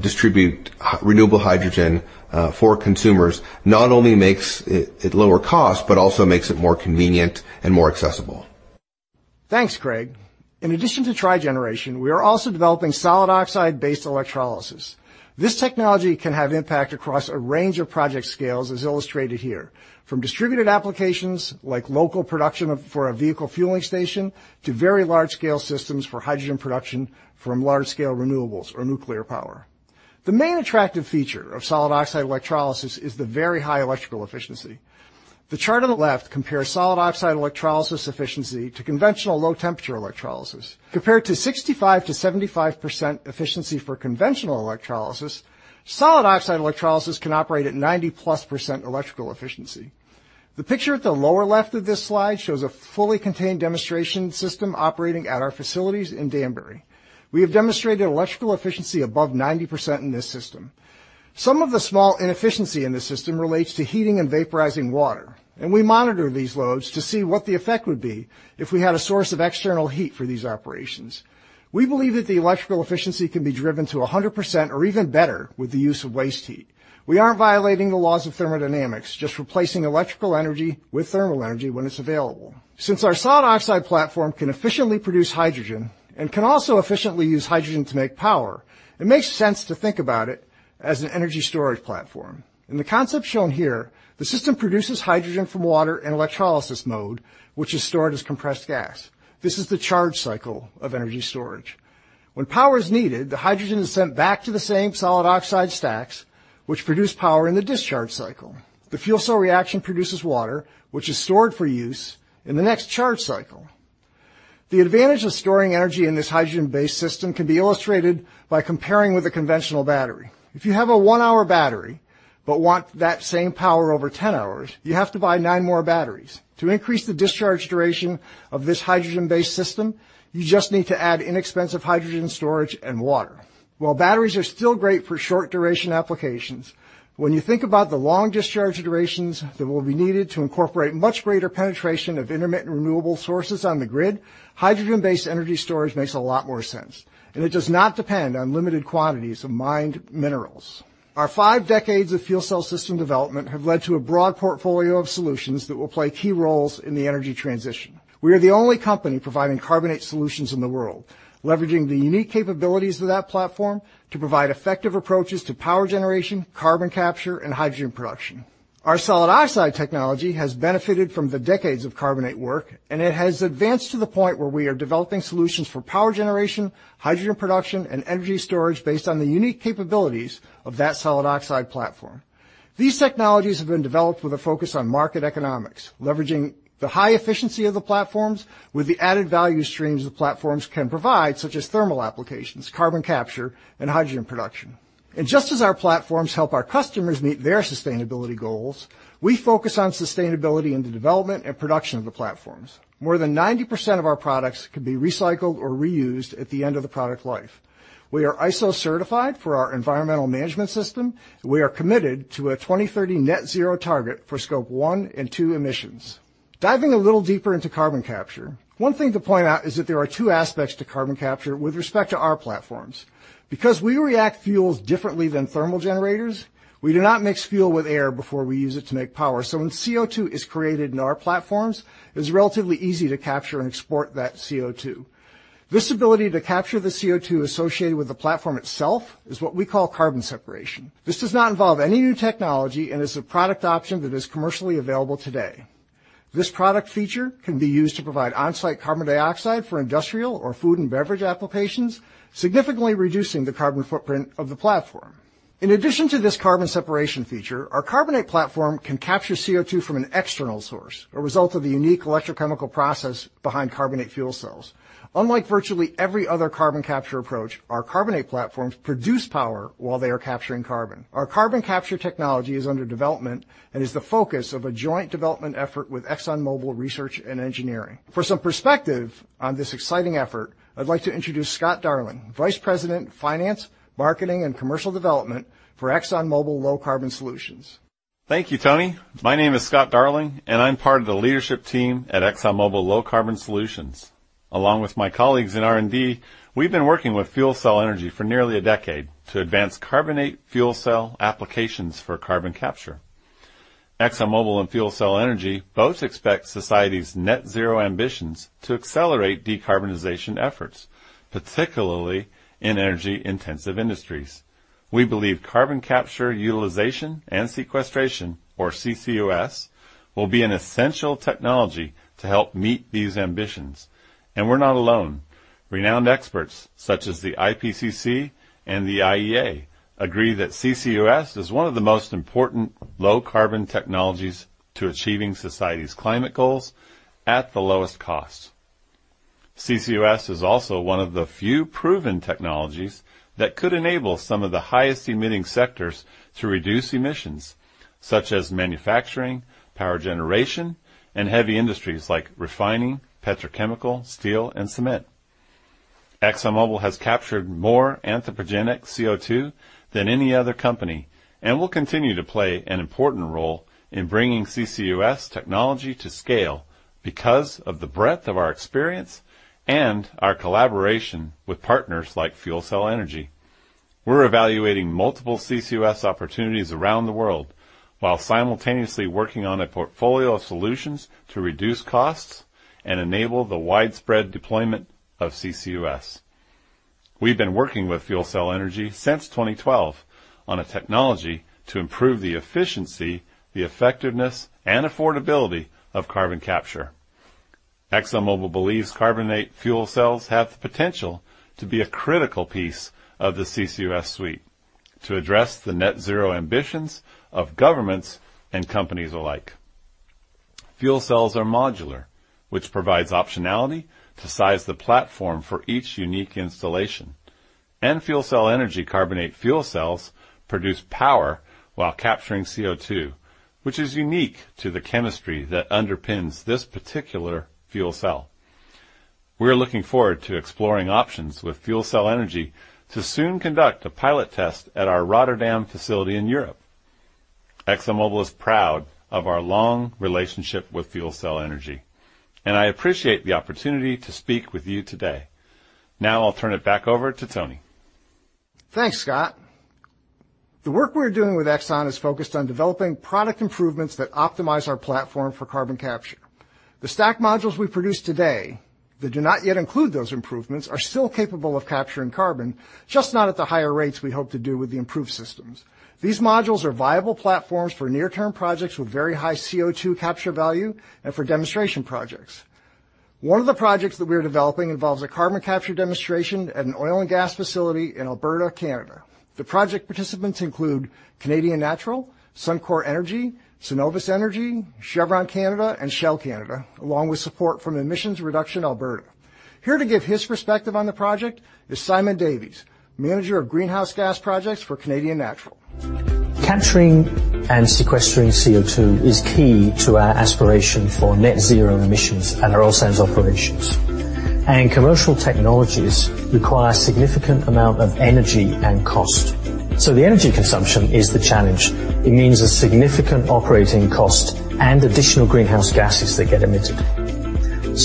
distribute renewable hydrogen for consumers not only makes it lower cost, but also makes it more convenient and more accessible. Thanks, Craig. In addition to trigeneration, we are also developing solid oxide-based electrolysis. This technology can have impact across a range of project scales as illustrated here. From distributed applications like local production of hydrogen for a vehicle fueling station to very large-scale systems for hydrogen production from large-scale renewables or nuclear power. The main attractive feature of solid oxide electrolysis is the very high electrical efficiency. The chart on the left compares solid oxide electrolysis efficiency to conventional low temperature electrolysis. Compared to 65%-75% efficiency for conventional electrolysis, solid oxide electrolysis can operate at 90%+ electrical efficiency. The picture at the lower left of this slide shows a fully contained demonstration system operating at our facilities in Danbury. We have demonstrated electrical efficiency above 90% in this system. Some of the small inefficiency in the system relates to heating and vaporizing water, and we monitor these loads to see what the effect would be if we had a source of external heat for these operations. We believe that the electrical efficiency can be driven to 100% or even better with the use of waste heat. We aren't violating the laws of thermodynamics, just replacing electrical energy with thermal energy when it's available. Since our solid oxide platform can efficiently produce hydrogen and can also efficiently use hydrogen to make power, it makes sense to think about it as an energy storage platform. In the concept shown here, the system produces hydrogen from water in electrolysis mode, which is stored as compressed gas. This is the charge cycle of energy storage. When power is needed, the hydrogen is sent back to the same solid oxide stacks, which produce power in the discharge cycle. The fuel cell reaction produces water, which is stored for use in the next charge cycle. The advantage of storing energy in this hydrogen-based system can be illustrated by comparing with a conventional battery. If you have a one-hour battery but want that same power over 10 hours, you have to buy nine more batteries. To increase the discharge duration of this hydrogen-based system, you just need to add inexpensive hydrogen storage and water. While batteries are still great for short-duration applications, when you think about the long discharge durations that will be needed to incorporate much greater penetration of intermittent renewable sources on the grid, hydrogen-based energy storage makes a lot more sense, and it does not depend on limited quantities of mined minerals. Our five decades of fuel cell system development have led to a broad portfolio of solutions that will play key roles in the energy transition. We are the only company providing carbonate solutions in the world, leveraging the unique capabilities of that platform to provide effective approaches to power generation, carbon capture, and hydrogen production. Our solid oxide technology has benefited from the decades of carbonate work, and it has advanced to the point where we are developing solutions for power generation, hydrogen production, and energy storage based on the unique capabilities of that solid oxide platform. These technologies have been developed with a focus on market economics, leveraging the high efficiency of the platforms with the added value streams the platforms can provide, such as thermal applications, carbon capture, and hydrogen production. Just as our platforms help our customers meet their sustainability goals, we focus on sustainability in the development and production of the platforms. More than 90% of our products can be recycled or reused at the end of the product life. We are ISO certified for our environmental management system. We are committed to a 2030 net zero target for Scope 1 and 2 emissions. Diving a little deeper into carbon capture, one thing to point out is that there are two aspects to carbon capture with respect to our platforms. Because we react fuels differently than thermal generators, we do not mix fuel with air before we use it to make power. So when CO2 is created in our platforms, it's relatively easy to capture and export that CO2. This ability to capture the CO2 associated with the platform itself is what we call carbon separation. This does not involve any new technology and is a product option that is commercially available today. This product feature can be used to provide on-site carbon dioxide for industrial or food and beverage applications, significantly reducing the carbon footprint of the platform. In addition to this carbon separation feature, our carbonate platform can capture CO2 from an external source, a result of the unique electrochemical process behind carbonate fuel cells. Unlike virtually every other carbon capture approach, our carbonate platforms produce power while they are capturing carbon. Our carbon capture technology is under development and is the focus of a joint development effort with ExxonMobil Research and Engineering. For some perspective on this exciting effort, I'd like to introduce Scott Darling, Vice President, Finance, Marketing, and Commercial Development for ExxonMobil Low Carbon Solutions. Thank you, Tony. My name is Scott Darling, and I'm part of the leadership team at ExxonMobil Low Carbon Solutions. Along with my colleagues in R&D, we've been working with FuelCell Energy for nearly a decade to advance carbonate fuel cell applications for carbon capture. ExxonMobil and FuelCell Energy both expect society's net zero ambitions to accelerate decarbonization efforts, particularly in energy-intensive industries. We believe carbon capture utilization and sequestration, or CCUS, will be an essential technology to help meet these ambitions, and we're not alone. Renowned experts such as the IPCC and the IEA agree that CCUS is one of the most important low-carbon technologies to achieving society's climate goals at the lowest cost. CCUS is also one of the few proven technologies that could enable some of the highest emitting sectors to reduce emissions, such as manufacturing, power generation, and heavy industries like refining, petrochemical, steel, and cement. ExxonMobil has captured more anthropogenic CO2 than any other company and will continue to play an important role in bringing CCUS technology to scale because of the breadth of our experience and our collaboration with partners like FuelCell Energy. We're evaluating multiple CCUS opportunities around the world while simultaneously working on a portfolio of solutions to reduce costs and enable the widespread deployment of CCUS. We've been working with FuelCell Energy since 2012 on a technology to improve the efficiency, the effectiveness, and affordability of carbon capture. ExxonMobil believes carbonate fuel cells have the potential to be a critical piece of the CCUS suite to address the net zero ambitions of governments and companies alike. Fuel cells are modular, which provides optionality to size the platform for each unique installation. FuelCell Energy carbonate fuel cells produce power while capturing CO2, which is unique to the chemistry that underpins this particular fuel cell. We're looking forward to exploring options with FuelCell Energy to soon conduct a pilot test at our Rotterdam facility in Europe. ExxonMobil is proud of our long relationship with FuelCell Energy, and I appreciate the opportunity to speak with you today. Now, I'll turn it back over to Tony. Thanks, Scott. The work we're doing with Exxon is focused on developing product improvements that optimize our platform for carbon capture. The stack modules we produce today that do not yet include those improvements are still capable of capturing carbon, just not at the higher rates we hope to do with the improved systems. These modules are viable platforms for near-term projects with very high CO2 capture value and for demonstration projects. One of the projects that we're developing involves a carbon capture demonstration at an oil and gas facility in Alberta, Canada. The project participants include Canadian Natural, Suncor Energy, Cenovus Energy, Chevron Canada, and Shell Canada, along with support from Emissions Reduction Alberta. Here to give his perspective on the project is Simon Davies, manager of greenhouse gas projects for Canadian Natural. Capturing and sequestering CO2 is key to our aspiration for net zero emissions at our oil sands operations. Commercial technologies require a significant amount of energy and cost. The energy consumption is the challenge. It means a significant operating cost and additional greenhouse gases that get emitted.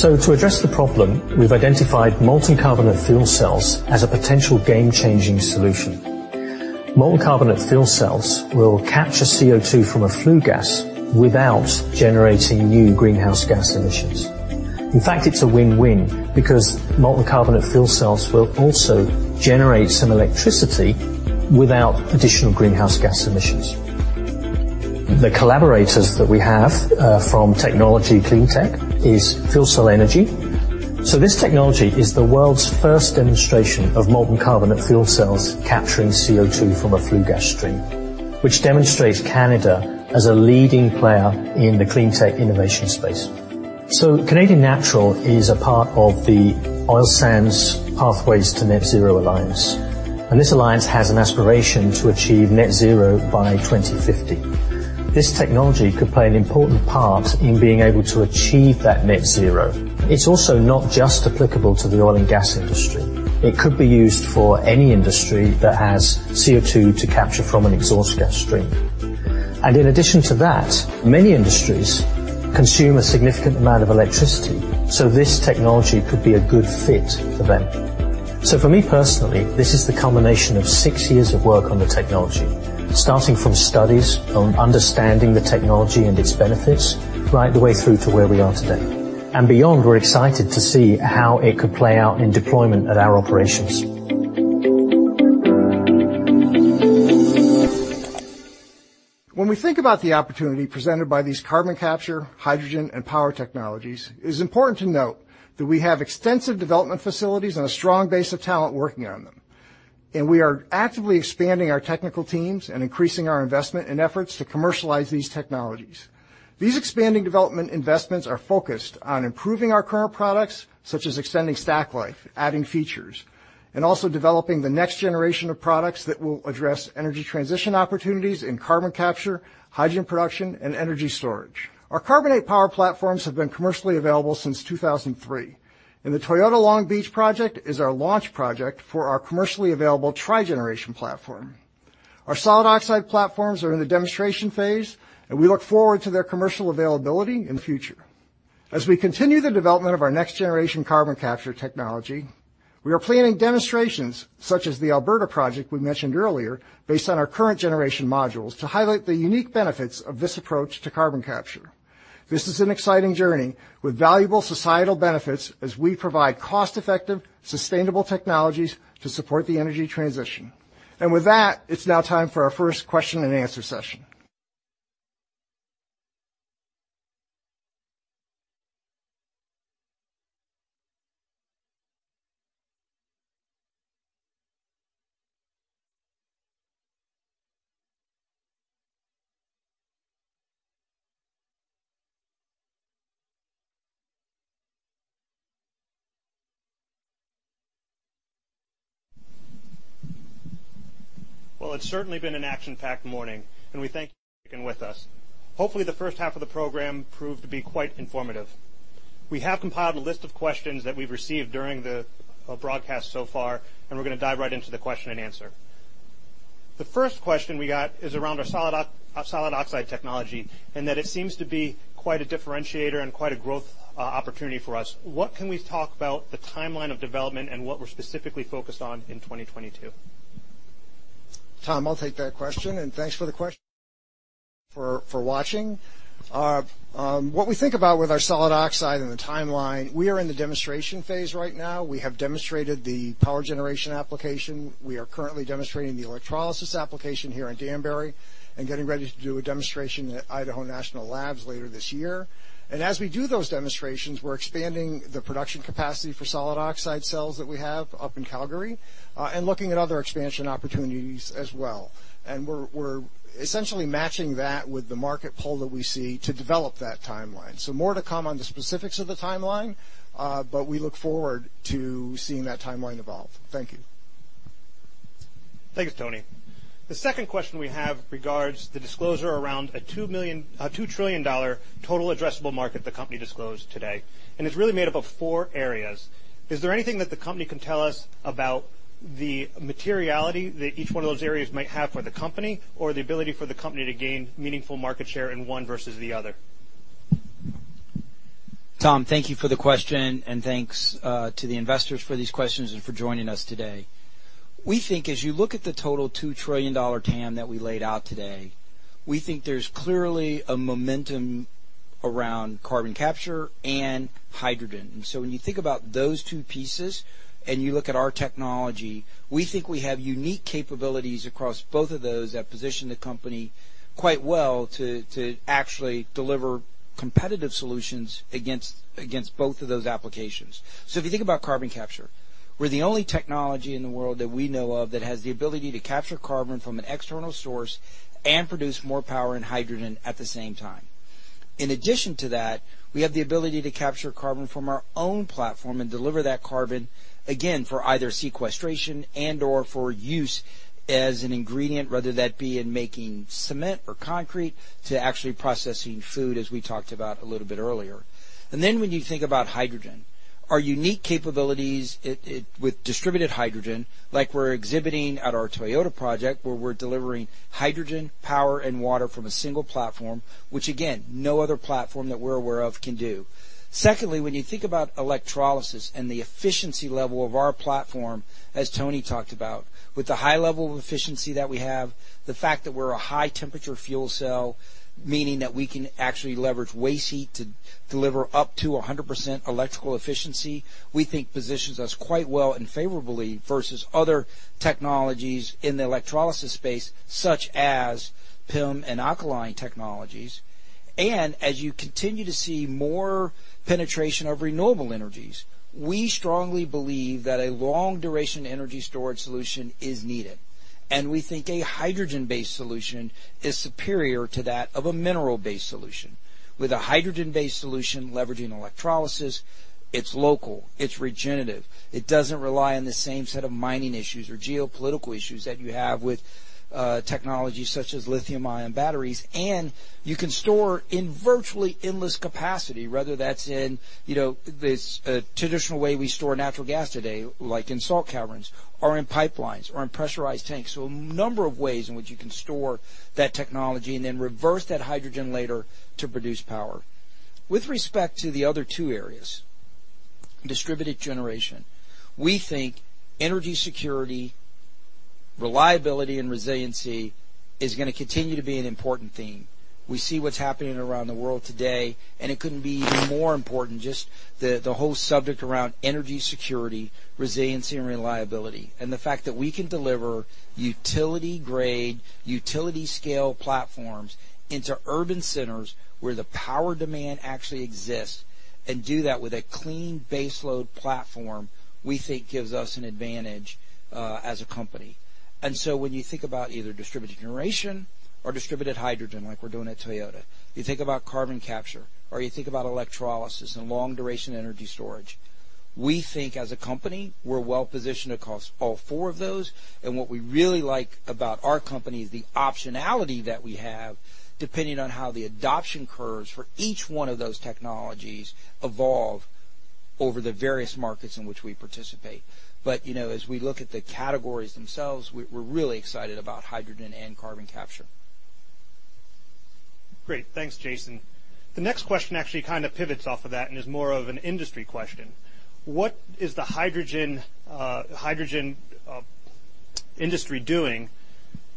To address the problem, we've identified molten carbonate fuel cells as a potential game-changing solution. Molten carbonate fuel cells will capture CO2 from a flue gas without generating new greenhouse gas emissions. In fact, it's a win-win because molten carbonate fuel cells will also generate some electricity without additional greenhouse gas emissions. The collaborators that we have, from technology clean tech is FuelCell Energy. This technology is the world's first demonstration of molten carbonate fuel cells capturing CO2 from a flue gas stream, which demonstrates Canada as a leading player in the clean tech innovation space. Canadian Natural is a part of the Oil Sands Pathways to Net Zero alliance, and this alliance has an aspiration to achieve net zero by 2050. This technology could play an important part in being able to achieve that net zero. It's also not just applicable to the oil and gas industry. It could be used for any industry that has CO2 to capture from an exhaust gas stream. In addition to that, many industries consume a significant amount of electricity, so this technology could be a good fit for them. For me personally, this is the culmination of six years of work on the technology, starting from studies on understanding the technology and its benefits right the way through to where we are today. Beyond, we're excited to see how it could play out in deployment at our operations. When we think about the opportunity presented by these carbon capture, hydrogen, and power technologies, it is important to note that we have extensive development facilities and a strong base of talent working on them. We are actively expanding our technical teams and increasing our investment in efforts to commercialize these technologies. These expanding development investments are focused on improving our current products, such as extending stack life, adding features, and also developing the next generation of products that will address energy transition opportunities in carbon capture, hydrogen production, and energy storage. Our carbonate power platforms have been commercially available since 2003. The Toyota Long Beach project is our launch project for our commercially available trigeneration platform. Our solid oxide platforms are in the demonstration phase, and we look forward to their commercial availability in the future. As we continue the development of our next generation carbon capture technology, we are planning demonstrations such as the Alberta project we mentioned earlier, based on our current generation modules to highlight the unique benefits of this approach to carbon capture. This is an exciting journey with valuable societal benefits as we provide cost-effective, sustainable technologies to support the energy transition. With that, it's now time for our first question and answer session. Well, it's certainly been an action-packed morning, and we thank you for sticking with us. Hopefully, the first half of the program proved to be quite informative. We have compiled a list of questions that we've received during the broadcast so far, and we're gonna dive right into the question and answer. The first question we got is around our solid oxide technology, and that it seems to be quite a differentiator and quite a growth opportunity for us. What can we talk about the timeline of development and what we're specifically focused on in 2022? Tom, I'll take that question, and thanks for watching. What we think about with our solid oxide and the timeline, we are in the demonstration phase right now. We have demonstrated the power generation application. We are currently demonstrating the electrolysis application here in Danbury and getting ready to do a demonstration at Idaho National Labs later this year. As we do those demonstrations, we're expanding the production capacity for solid oxide cells that we have up in Calgary, and looking at other expansion opportunities as well. We're essentially matching that with the market pull that we see to develop that timeline. More to come on the specifics of the timeline, but we look forward to seeing that timeline evolve. Thank you. Thanks, Tony. The second question we have regards the disclosure around a $2 trillion total addressable market the company disclosed today, and it's really made up of four areas. Is there anything that the company can tell us about the materiality that each one of those areas might have for the company or the ability for the company to gain meaningful market share in one versus the other? Tom, thank you for the question, and thanks to the investors for these questions and for joining us today. We think as you look at the total $2 trillion TAM that we laid out today, we think there's clearly a momentum around carbon capture and hydrogen. When you think about those two pieces and you look at our technology, we think we have unique capabilities across both of those that position the company quite well to actually deliver competitive solutions against both of those applications. If you think about carbon capture, we're the only technology in the world that we know of that has the ability to capture carbon from an external source and produce more power and hydrogen at the same time. In addition to that, we have the ability to capture carbon from our own platform and deliver that carbon, again, for either sequestration and/or for use as an ingredient, whether that be in making cement or concrete to actually processing food, as we talked about a little bit earlier. When you think about hydrogen, our unique capabilities with distributed hydrogen, like we're exhibiting at our Toyota project, where we're delivering hydrogen, power, and water from a single platform, which again, no other platform that we're aware of can do. Secondly, when you think about electrolysis and the efficiency level of our platform, as Tony talked about, with the high level of efficiency that we have, the fact that we're a high temperature fuel cell, meaning that we can actually leverage waste heat to deliver up to 100% electrical efficiency, we think positions us quite well and favorably versus other technologies in the electrolysis space such as PEM and alkaline technologies. As you continue to see more penetration of renewable energies, we strongly believe that a long duration energy storage solution is needed. We think a hydrogen-based solution is superior to that of a mineral-based solution. With a hydrogen-based solution leveraging electrolysis. It's local, it's regenerative. It doesn't rely on the same set of mining issues or geopolitical issues that you have with technologies such as lithium-ion batteries. You can store in virtually endless capacity, whether that's in, you know, this traditional way we store natural gas today, like in salt caverns or in pipelines or in pressurized tanks. A number of ways in which you can store that technology and then reverse that hydrogen later to produce power. With respect to the other two areas, distributed generation, we think energy security, reliability, and resiliency is gonna continue to be an important theme. We see what's happening around the world today, and it couldn't be even more important, just the whole subject around energy security, resiliency, and reliability. The fact that we can deliver utility-grade, utility-scale platforms into urban centers where the power demand actually exists, and do that with a clean baseload platform, we think gives us an advantage as a company. When you think about either distributed generation or distributed hydrogen, like we're doing at Toyota, you think about carbon capture or you think about electrolysis and long-duration energy storage. We think, as a company, we're well-positioned across all four of those. What we really like about our company is the optionality that we have, depending on how the adoption curves for each one of those technologies evolve over the various markets in which we participate. You know, as we look at the categories themselves, we're really excited about hydrogen and carbon capture. Great. Thanks, Jason. The next question actually kind of pivots off of that and is more of an industry question. What is the hydrogen industry doing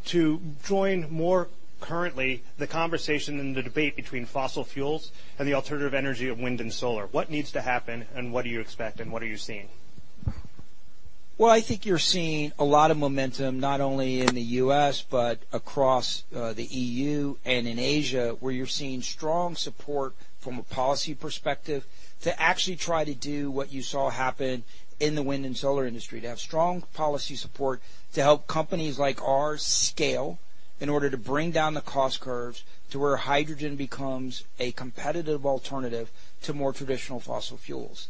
to join more currently the conversation and the debate between fossil fuels and the alternative energy of wind and solar? What needs to happen, and what do you expect, and what are you seeing? Well, I think you're seeing a lot of momentum, not only in the U.S., but across, the E.U. and in Asia, where you're seeing strong support from a policy perspective to actually try to do what you saw happen in the wind and solar industry, to have strong policy support to help companies like ours scale in order to bring down the cost curves to where hydrogen becomes a competitive alternative to more traditional fossil fuels.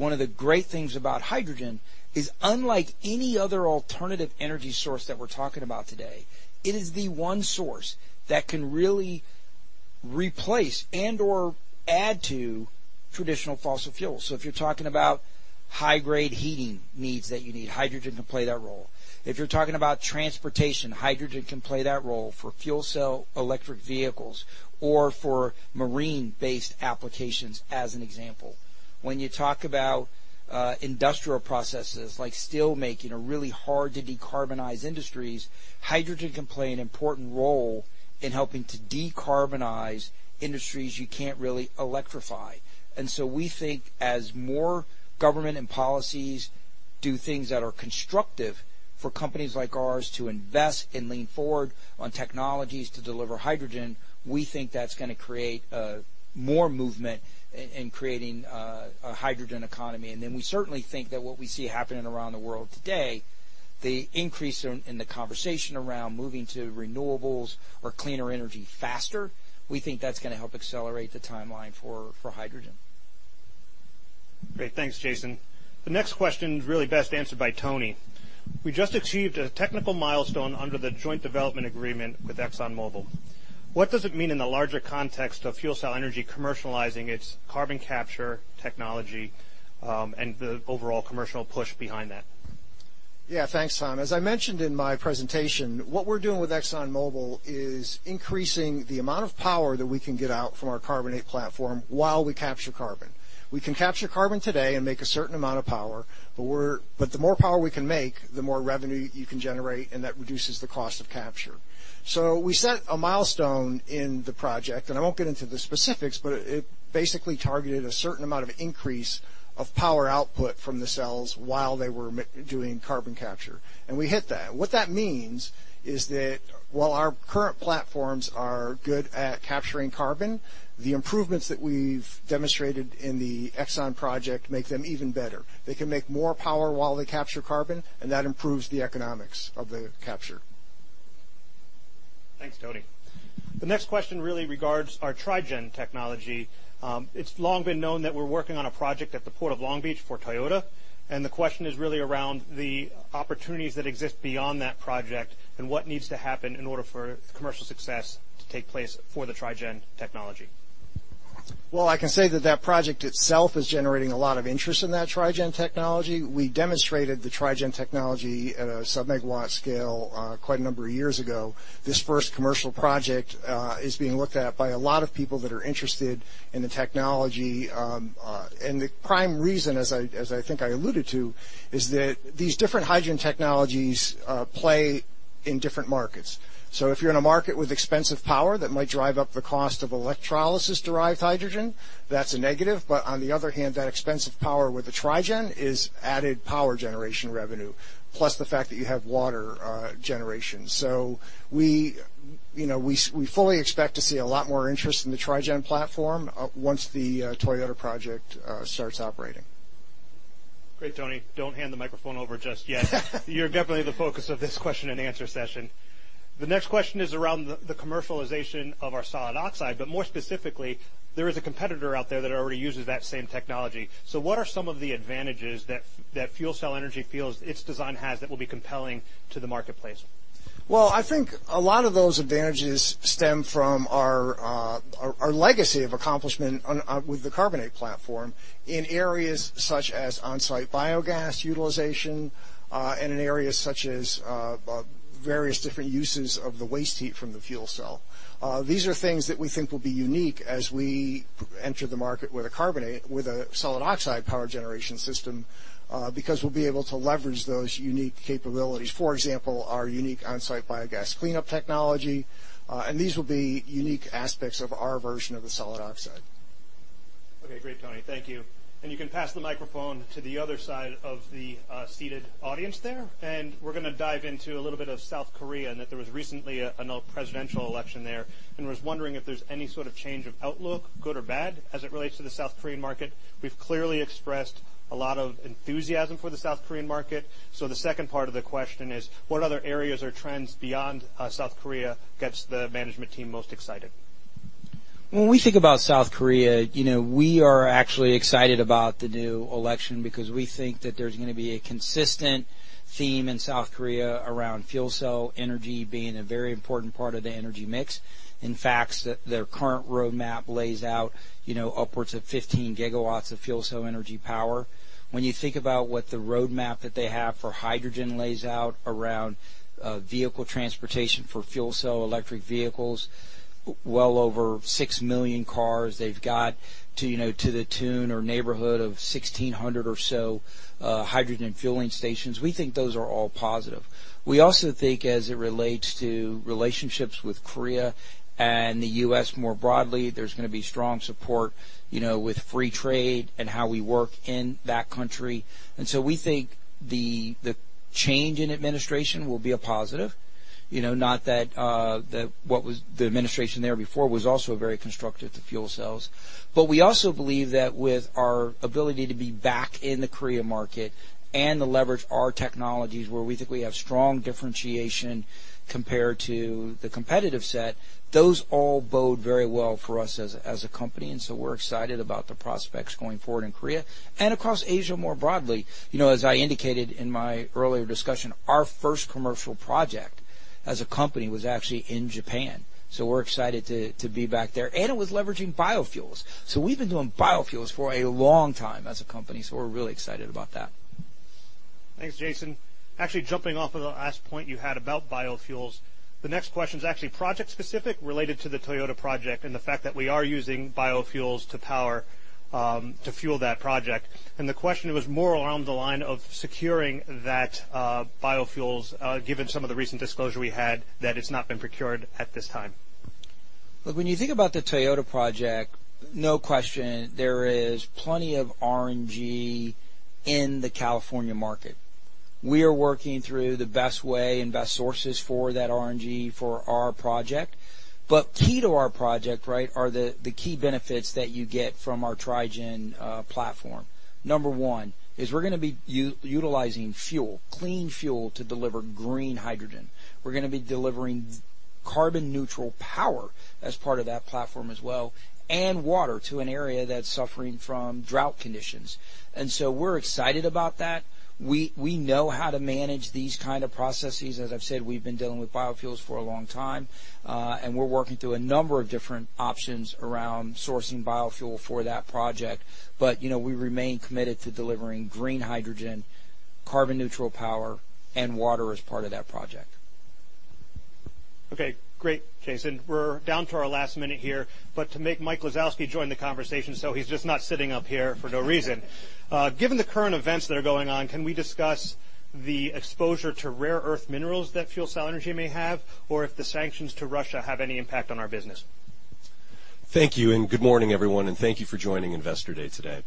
One of the great things about hydrogen is, unlike any other alternative energy source that we're talking about today, it is the one source that can really replace and/or add to traditional fossil fuels. If you're talking about high-grade heating needs that you need, hydrogen can play that role. If you're talking about transportation, hydrogen can play that role for fuel cell electric vehicles or for marine-based applications, as an example. When you talk about industrial processes like steelmaking or really hard-to-decarbonize industries, hydrogen can play an important role in helping to decarbonize industries you can't really electrify. We think as more government and policies do things that are constructive for companies like ours to invest and lean forward on technologies to deliver hydrogen, we think that's gonna create more movement in creating a hydrogen economy. We certainly think that what we see happening around the world today, the increase in the conversation around moving to renewables or cleaner energy faster, we think that's gonna help accelerate the timeline for hydrogen. Great. Thanks, Jason. The next question is really best answered by Tony. We just achieved a technical milestone under the joint development agreement with ExxonMobil. What does it mean in the larger context of FuelCell Energy commercializing its carbon capture technology, and the overall commercial push behind that? Yeah. Thanks, Tom. As I mentioned in my presentation, what we're doing with ExxonMobil is increasing the amount of power that we can get out from our carbonate platform while we capture carbon. We can capture carbon today and make a certain amount of power, but the more power we can make, the more revenue you can generate, and that reduces the cost of capture. We set a milestone in the project, and I won't get into the specifics, but it basically targeted a certain amount of increase of power output from the cells while they were doing carbon capture, and we hit that. What that means is that while our current platforms are good at capturing carbon, the improvements that we've demonstrated in the ExxonMobil project make them even better. They can make more power while they capture carbon, and that improves the economics of the capture. Thanks, Tony. The next question really regards our Tri-gen technology. It's long been known that we're working on a project at the Port of Long Beach for Toyota, and the question is really around the opportunities that exist beyond that project and what needs to happen in order for commercial success to take place for the Tri-gen technology. Well, I can say that project itself is generating a lot of interest in that Tri-gen technology. We demonstrated the Tri-gen technology at a sub-megawatt scale quite a number of years ago. This first commercial project is being looked at by a lot of people that are interested in the technology. The prime reason, as I think I alluded to, is that these different hydrogen technologies play in different markets. If you're in a market with expensive power that might drive up the cost of electrolysis-derived hydrogen, that's a negative. On the other hand, that expensive power with the Tri-gen is added power generation revenue, plus the fact that you have water generation. We fully expect to see a lot more interest in the Tri-gen platform once the Toyota project starts operating. Great, Tony. Don't hand the microphone over just yet. You're definitely the focus of this question and answer session. The next question is around the commercialization of our solid oxide, but more specifically, there is a competitor out there that already uses that same technology. What are some of the advantages that FuelCell Energy feels its design has that will be compelling to the marketplace? Well, I think a lot of those advantages stem from our legacy of accomplishment on with the carbonate platform in areas such as onsite biogas utilization and in areas such as various different uses of the waste heat from the fuel cell. These are things that we think will be unique as we enter the market with a carbonate, with a solid oxide power generation system because we'll be able to leverage those unique capabilities. For example, our unique onsite biogas cleanup technology and these will be unique aspects of our version of the solid oxide. Okay, great, Tony. Thank you. You can pass the microphone to the other side of the seated audience there. We're gonna dive into a little bit of South Korea, and that there was recently a presidential election there and was wondering if there's any sort of change of outlook, good or bad, as it relates to the South Korean market. We've clearly expressed a lot of enthusiasm for the South Korean market. The second part of the question is: what other areas or trends beyond South Korea gets the management team most excited? When we think about South Korea, you know, we are actually excited about the new election because we think that there's gonna be a consistent theme in South Korea around FuelCell Energy being a very important part of the energy mix. In fact, their current roadmap lays out, you know, upwards of 15 GW of FuelCell Energy power. When you think about what the roadmap that they have for hydrogen lays out around vehicle transportation for fuel cell electric vehicles, well over 6 million cars, they've got to, you know, to the tune or neighborhood of 1,600 or so hydrogen fueling stations. We think those are all positive. We also think as it relates to relationships with Korea and the U.S. more broadly, there's gonna be strong support, you know, with free trade and how we work in that country. We think the change in administration will be a positive. You know, not that the what was the administration there before was also very constructive to fuel cells. We also believe that with our ability to be back in the Korea market and to leverage our technologies where we think we have strong differentiation compared to the competitive set, those all bode very well for us as a company. We're excited about the prospects going forward in Korea and across Asia more broadly. You know, as I indicated in my earlier discussion, our first commercial project as a company was actually in Japan, so we're excited to be back there, and it was leveraging biofuels. We've been doing biofuels for a long time as a company, so we're really excited about that. Thanks, Jason. Actually jumping off of the last point you had about biofuels, the next question is actually project specific related to the Toyota project and the fact that we are using biofuels to power, to fuel that project. The question was more around the line of securing that biofuels given some of the recent disclosure we had that it's not been procured at this time. Look, when you think about the Toyota project, no question, there is plenty of RNG in the California market. We are working through the best way and best sources for that RNG for our project. But key to our project, right, are the key benefits that you get from our Tri-gen platform. Number one is we're gonna be utilizing clean fuel to deliver green hydrogen. We're gonna be delivering carbon neutral power as part of that platform as well, and water to an area that's suffering from drought conditions. We're excited about that. We know how to manage these kind of processes. As I've said, we've been dealing with biofuels for a long time, and we're working through a number of different options around sourcing biofuel for that project. You know, we remain committed to delivering green hydrogen, carbon neutral power, and water as part of that project. Okay, great, Jason. We're down to our last minute here, but to make Mike Lisowski join the conversation, so he's just not sitting up here for no reason. Given the current events that are going on, can we discuss the exposure to rare earth minerals that FuelCell Energy may have, or if the sanctions to Russia have any impact on our business? Thank you, and good morning, everyone, and thank you for joining Investor Day today.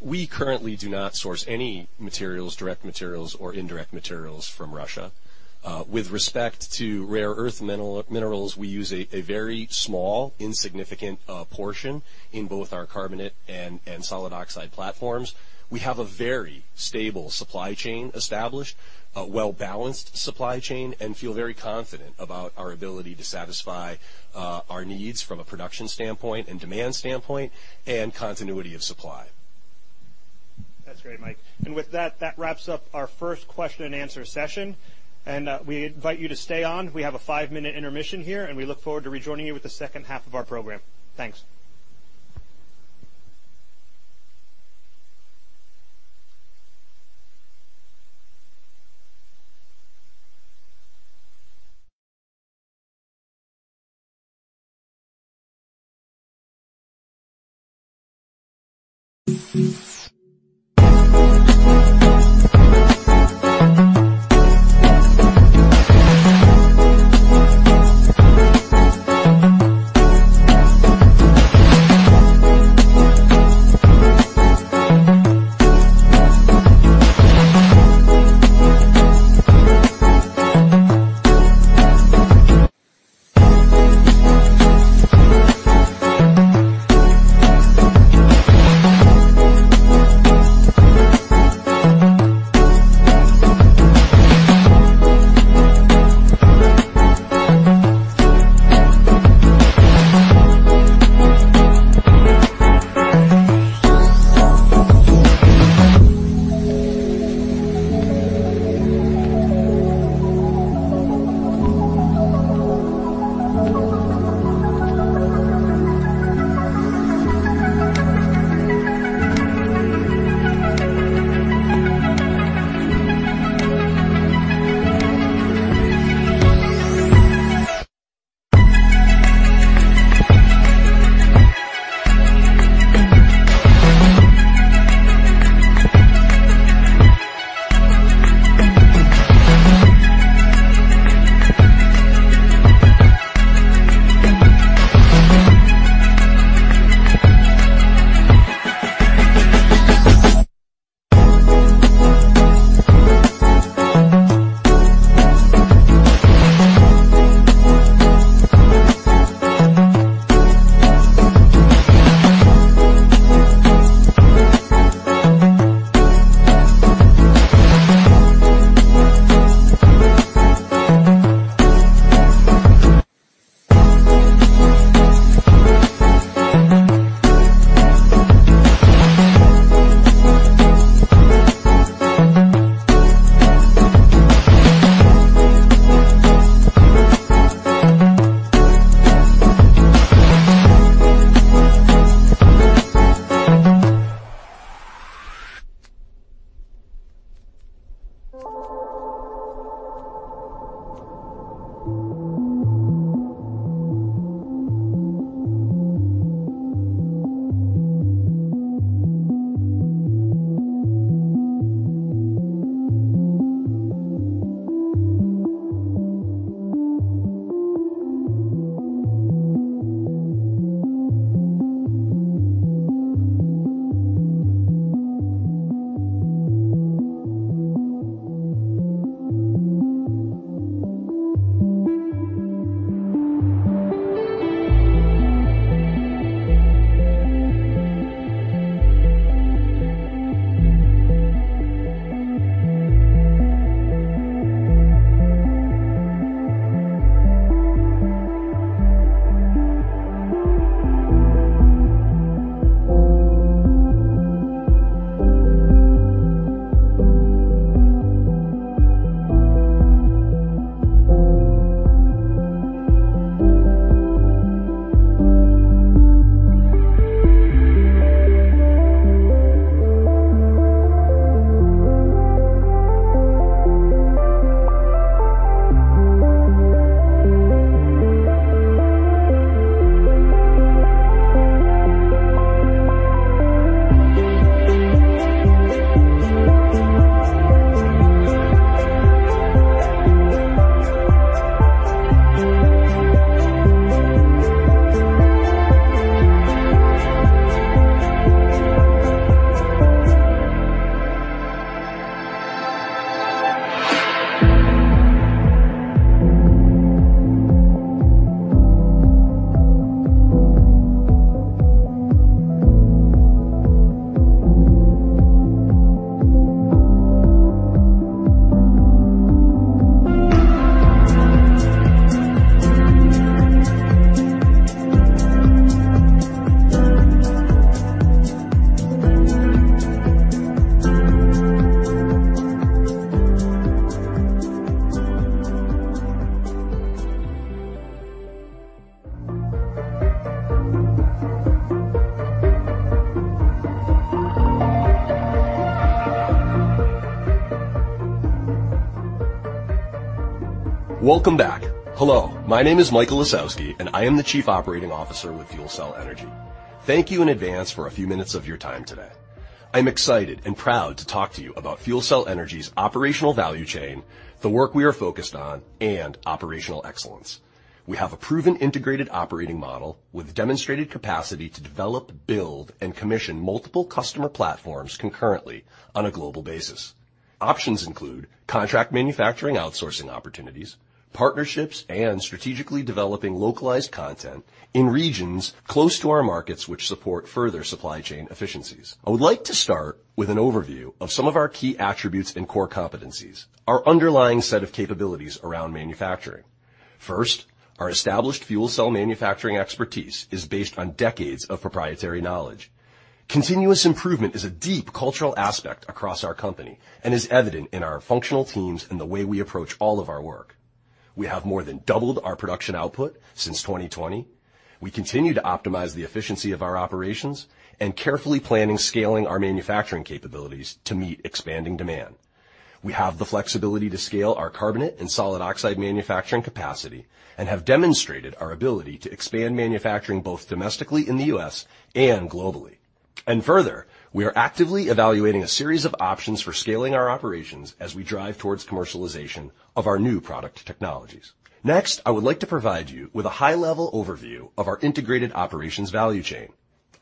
We currently do not source any materials, direct materials or indirect materials from Russia. With respect to rare earth minerals, we use a very small, insignificant portion in both our carbonate and solid oxide platforms. We have a very stable supply chain established, a well-balanced supply chain, and feel very confident about our ability to satisfy our needs from a production standpoint and demand standpoint and continuity of supply. That's great, Mike. With that, wraps up our first question and answer session, and we invite you to stay on. We have a five-minute intermission here, and we look forward to rejoining you with the second half of our program. Thanks. Welcome back. Hello, my name is Michael Lisowski, and I am the Chief Operating Officer with FuelCell Energy. Thank you in advance for a few minutes of your time today. I'm excited and proud to talk to you about FuelCell Energy's operational value chain, the work we are focused on, and operational excellence. We have a proven integrated operating model with demonstrated capacity to develop, build, and commission multiple customer platforms concurrently on a global basis. Options include contract manufacturing outsourcing opportunities, partnerships, and strategically developing localized content in regions close to our markets which support further supply chain efficiencies. I would like to start with an overview of some of our key attributes and core competencies, our underlying set of capabilities around manufacturing. First, our established fuel cell manufacturing expertise is based on decades of proprietary knowledge. Continuous improvement is a deep cultural aspect across our company and is evident in our functional teams and the way we approach all of our work. We have more than doubled our production output since 2020. We continue to optimize the efficiency of our operations and carefully planning scaling our manufacturing capabilities to meet expanding demand. We have the flexibility to scale our carbonate and solid oxide manufacturing capacity and have demonstrated our ability to expand manufacturing both domestically in the U.S. and globally. Further, we are actively evaluating a series of options for scaling our operations as we drive towards commercialization of our new product technologies. Next, I would like to provide you with a high-level overview of our integrated operations value chain.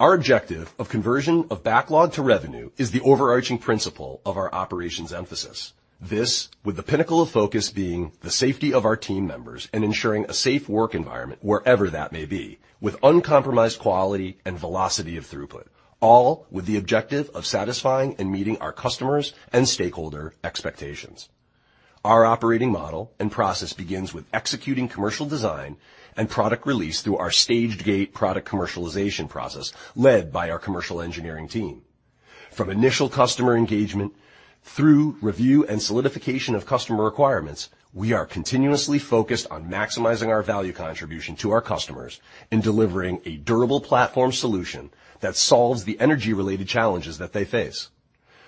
Our objective of conversion of backlog to revenue is the overarching principle of our operations emphasis. This, with the pinnacle of focus being the safety of our team members and ensuring a safe work environment wherever that may be, with uncompromised quality and velocity of throughput, all with the objective of satisfying and meeting our customers' and stakeholder expectations. Our operating model and process begins with executing commercial design and product release through our staged gate product commercialization process led by our commercial engineering team. From initial customer engagement through review and solidification of customer requirements, we are continuously focused on maximizing our value contribution to our customers in delivering a durable platform solution that solves the energy-related challenges that they face.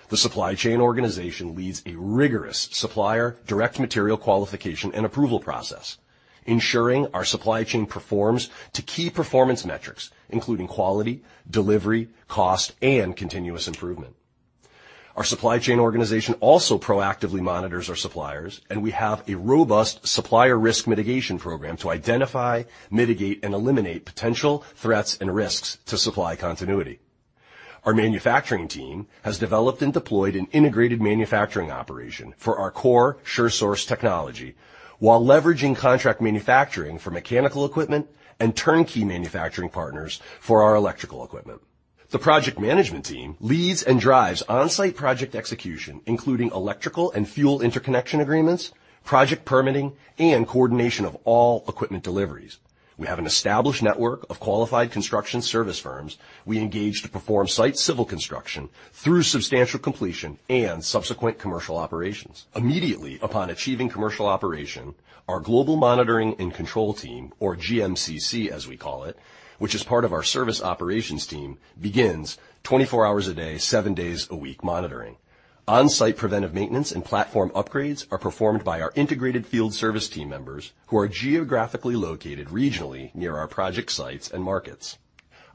The supply chain organization leads a rigorous supplier direct material qualification and approval process, ensuring our supply chain performs to key performance metrics, including quality, delivery, cost, and continuous improvement. Our supply chain organization also proactively monitors our suppliers, and we have a robust supplier risk mitigation program to identify, mitigate, and eliminate potential threats and risks to supply continuity. Our manufacturing team has developed and deployed an integrated manufacturing operation for our core SureSource technology while leveraging contract manufacturing for mechanical equipment and turnkey manufacturing partners for our electrical equipment. The project management team leads and drives on-site project execution, including electrical and fuel interconnection agreements, project permitting, and coordination of all equipment deliveries. We have an established network of qualified construction service firms we engage to perform site civil construction through substantial completion and subsequent commercial operations. Immediately upon achieving commercial operation, our Global Monitoring and Control team, or GMCC as we call it, which is part of our service operations team, begins 24 hours a day, seven days a week monitoring. On-site preventive maintenance and platform upgrades are performed by our integrated field service team members who are geographically located regionally near our project sites and markets.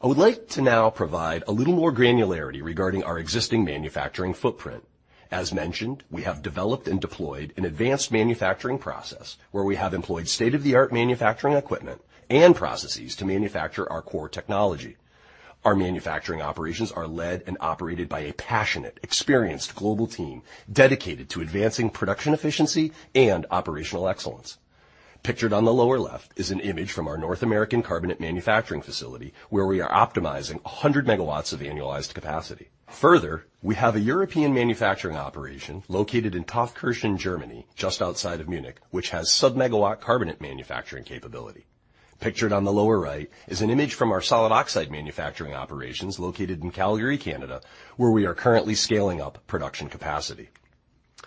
I would like to now provide a little more granularity regarding our existing manufacturing footprint. As mentioned, we have developed and deployed an advanced manufacturing process where we have employed state-of-the-art manufacturing equipment and processes to manufacture our core technology. Our manufacturing operations are led and operated by a passionate, experienced global team dedicated to advancing production efficiency and operational excellence. Pictured on the lower left is an image from our North American carbonate manufacturing facility, where we are optimizing 100 MW of annualized capacity. Further, we have a European manufacturing operation located in Taufkirchen, Germany, just outside of Munich, which has sub-megawatt carbonate manufacturing capability. Pictured on the lower right is an image from our solid oxide manufacturing operations located in Calgary, Canada, where we are currently scaling up production capacity.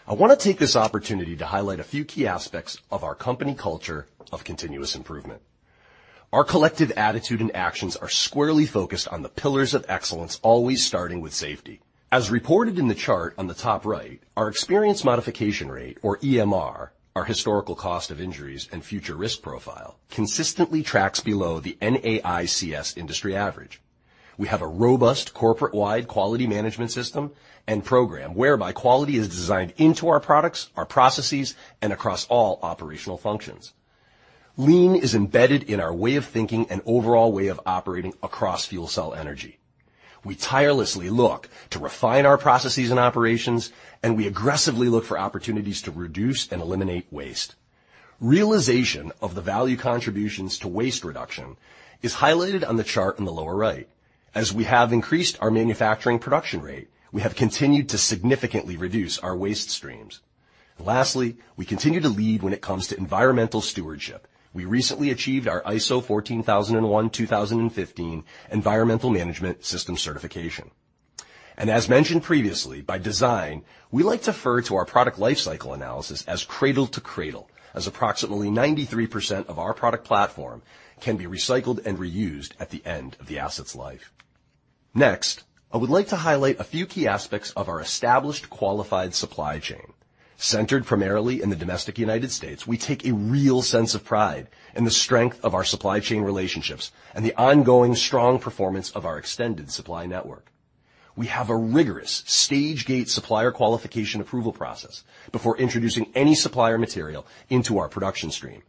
I want to take this opportunity to highlight a few key aspects of our company culture of continuous improvement. Our collective attitude and actions are squarely focused on the pillars of excellence, always starting with safety. As reported in the chart on the top right, our experience modification rate, or EMR, our historical cost of injuries and future risk profile, consistently tracks below the NAICS industry average. We have a robust corporate-wide quality management system and program whereby quality is designed into our products, our processes, and across all operational functions. Lean is embedded in our way of thinking and overall way of operating across FuelCell Energy. We tirelessly look to refine our processes and operations, and we aggressively look for opportunities to reduce and eliminate waste. Realization of the value contributions to waste reduction is highlighted on the chart in the lower right. As we have increased our manufacturing production rate, we have continued to significantly reduce our waste streams. Lastly, we continue to lead when it comes to environmental stewardship. We recently achieved our ISO 14001:2015 Environmental Management System certification. As mentioned previously, by design, we like to refer to our product lifecycle analysis as cradle to cradle, as approximately 93% of our product platform can be recycled and reused at the end of the asset's life. Next, I would like to highlight a few key aspects of our established qualified supply chain. Centered primarily in the domestic United States, we take a real sense of pride in the strength of our supply chain relationships and the ongoing strong performance of our extended supply network. We have a rigorous stage gate supplier qualification approval process before introducing any supplier material into our production stream.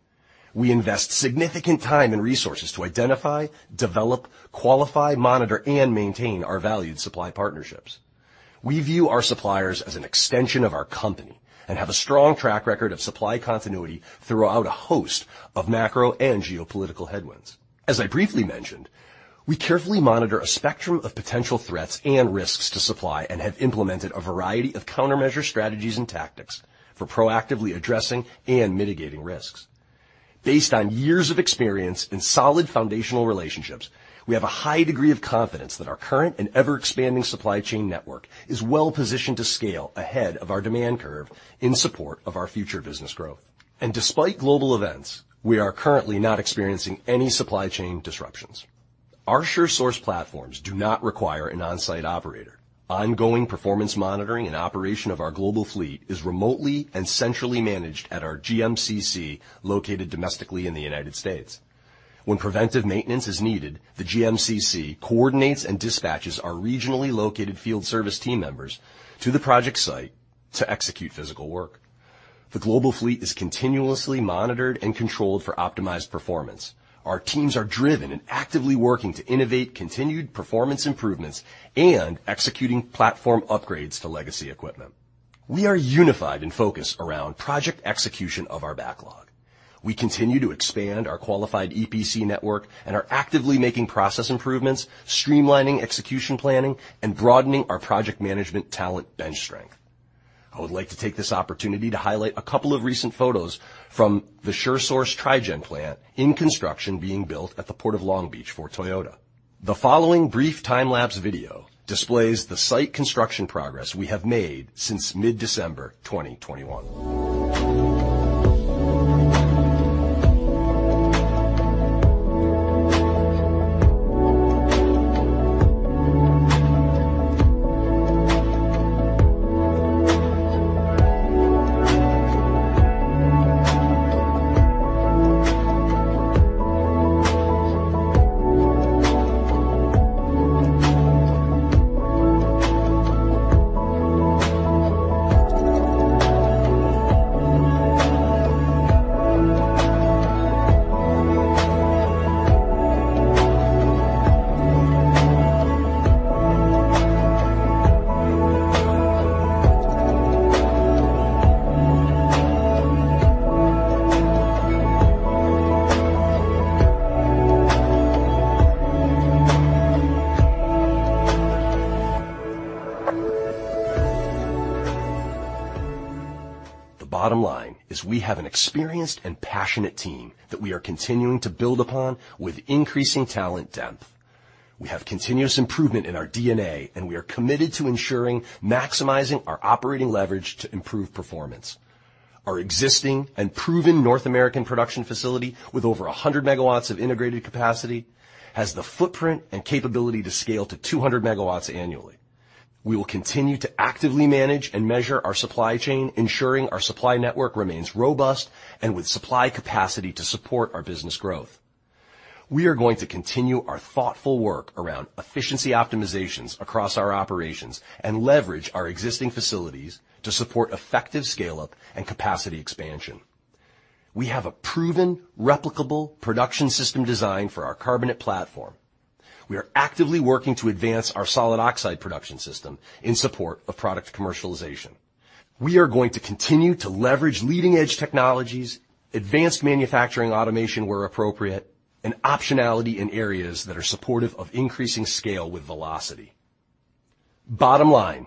We invest significant time and resources to identify, develop, qualify, monitor, and maintain our valued supply partnerships. We view our suppliers as an extension of our company and have a strong track record of supply continuity throughout a host of macro and geopolitical headwinds. As I briefly mentioned, we carefully monitor a spectrum of potential threats and risks to supply and have implemented a variety of countermeasure strategies and tactics for proactively addressing and mitigating risks. Based on years of experience and solid foundational relationships, we have a high degree of confidence that our current and ever-expanding supply chain network is well-positioned to scale ahead of our demand curve in support of our future business growth. Despite global events, we are currently not experiencing any supply chain disruptions. Our SureSource platforms do not require an on-site operator. Ongoing performance monitoring and operation of our global fleet is remotely and centrally managed at our GMCC, located domestically in the United States. When preventive maintenance is needed, the GMCC coordinates and dispatches our regionally located field service team members to the project site to execute physical work. The global fleet is continuously monitored and controlled for optimized performance. Our teams are driven and actively working to innovate continued performance improvements and executing platform upgrades to legacy equipment. We are unified and focused around project execution of our backlog. We continue to expand our qualified EPC network and are actively making process improvements, streamlining execution planning, and broadening our project management talent bench strength. I would like to take this opportunity to highlight a couple of recent photos from the SureSource Tri-gen plant in construction being built at the Port of Long Beach for Toyota. The following brief time-lapse video displays the site construction progress we have made since mid-December 2021. The bottom line is we have an experienced and passionate team that we are continuing to build upon with increasing talent depth. We have continuous improvement in our DNA, and we are committed to ensuring maximizing our operating leverage to improve performance. Our existing and proven North American production facility with over 100 MW of integrated capacity has the footprint and capability to scale to 200 MW annually. We will continue to actively manage and measure our supply chain, ensuring our supply network remains robust and with supply capacity to support our business growth. We are going to continue our thoughtful work around efficiency optimizations across our operations and leverage our existing facilities to support effective scale-up and capacity expansion. We have a proven replicable production system design for our carbonate platform. We are actively working to advance our solid oxide production system in support of product commercialization. We are going to continue to leverage leading-edge technologies, advanced manufacturing automation where appropriate, and optionality in areas that are supportive of increasing scale with velocity. Bottom line,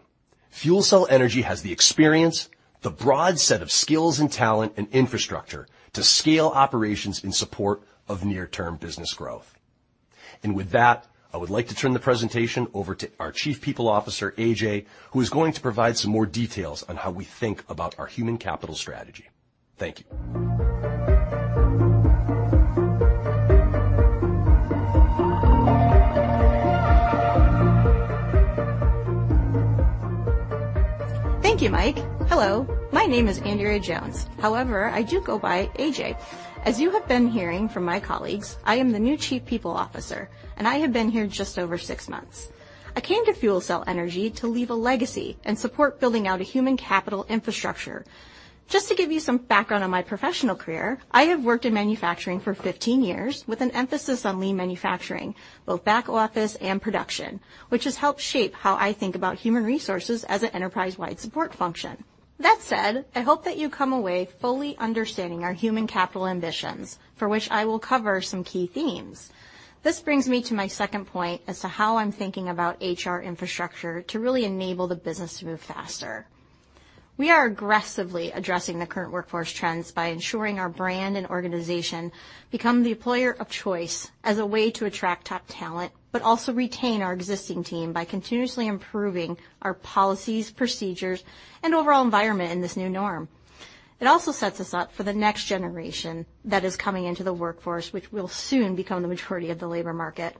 FuelCell Energy has the experience, the broad set of skills and talent and infrastructure to scale operations in support of near-term business growth. With that, I would like to turn the presentation over to our Chief People Officer, AJ, who is going to provide some more details on how we think about our human capital strategy. Thank you. Thank you, Mike. Hello, my name is Andrea Jones. However, I do go by AJ. As you have been hearing from my colleagues, I am the new Chief People Officer, and I have been here just over six months. I came to FuelCell Energy to leave a legacy and support building out a human capital infrastructure. Just to give you some background on my professional career, I have worked in manufacturing for 15 years with an emphasis on lean manufacturing, both back office and production, which has helped shape how I think about human resources as an enterprise-wide support function. That said, I hope that you come away fully understanding our human capital ambitions, for which I will cover some key themes. This brings me to my second point as to how I'm thinking about HR infrastructure to really enable the business to move faster. We are aggressively addressing the current workforce trends by ensuring our brand and organization become the employer of choice as a way to attract top talent, but also retain our existing team by continuously improving our policies, procedures, and overall environment in this new norm. It also sets us up for the next generation that is coming into the workforce, which will soon become the majority of the labor market.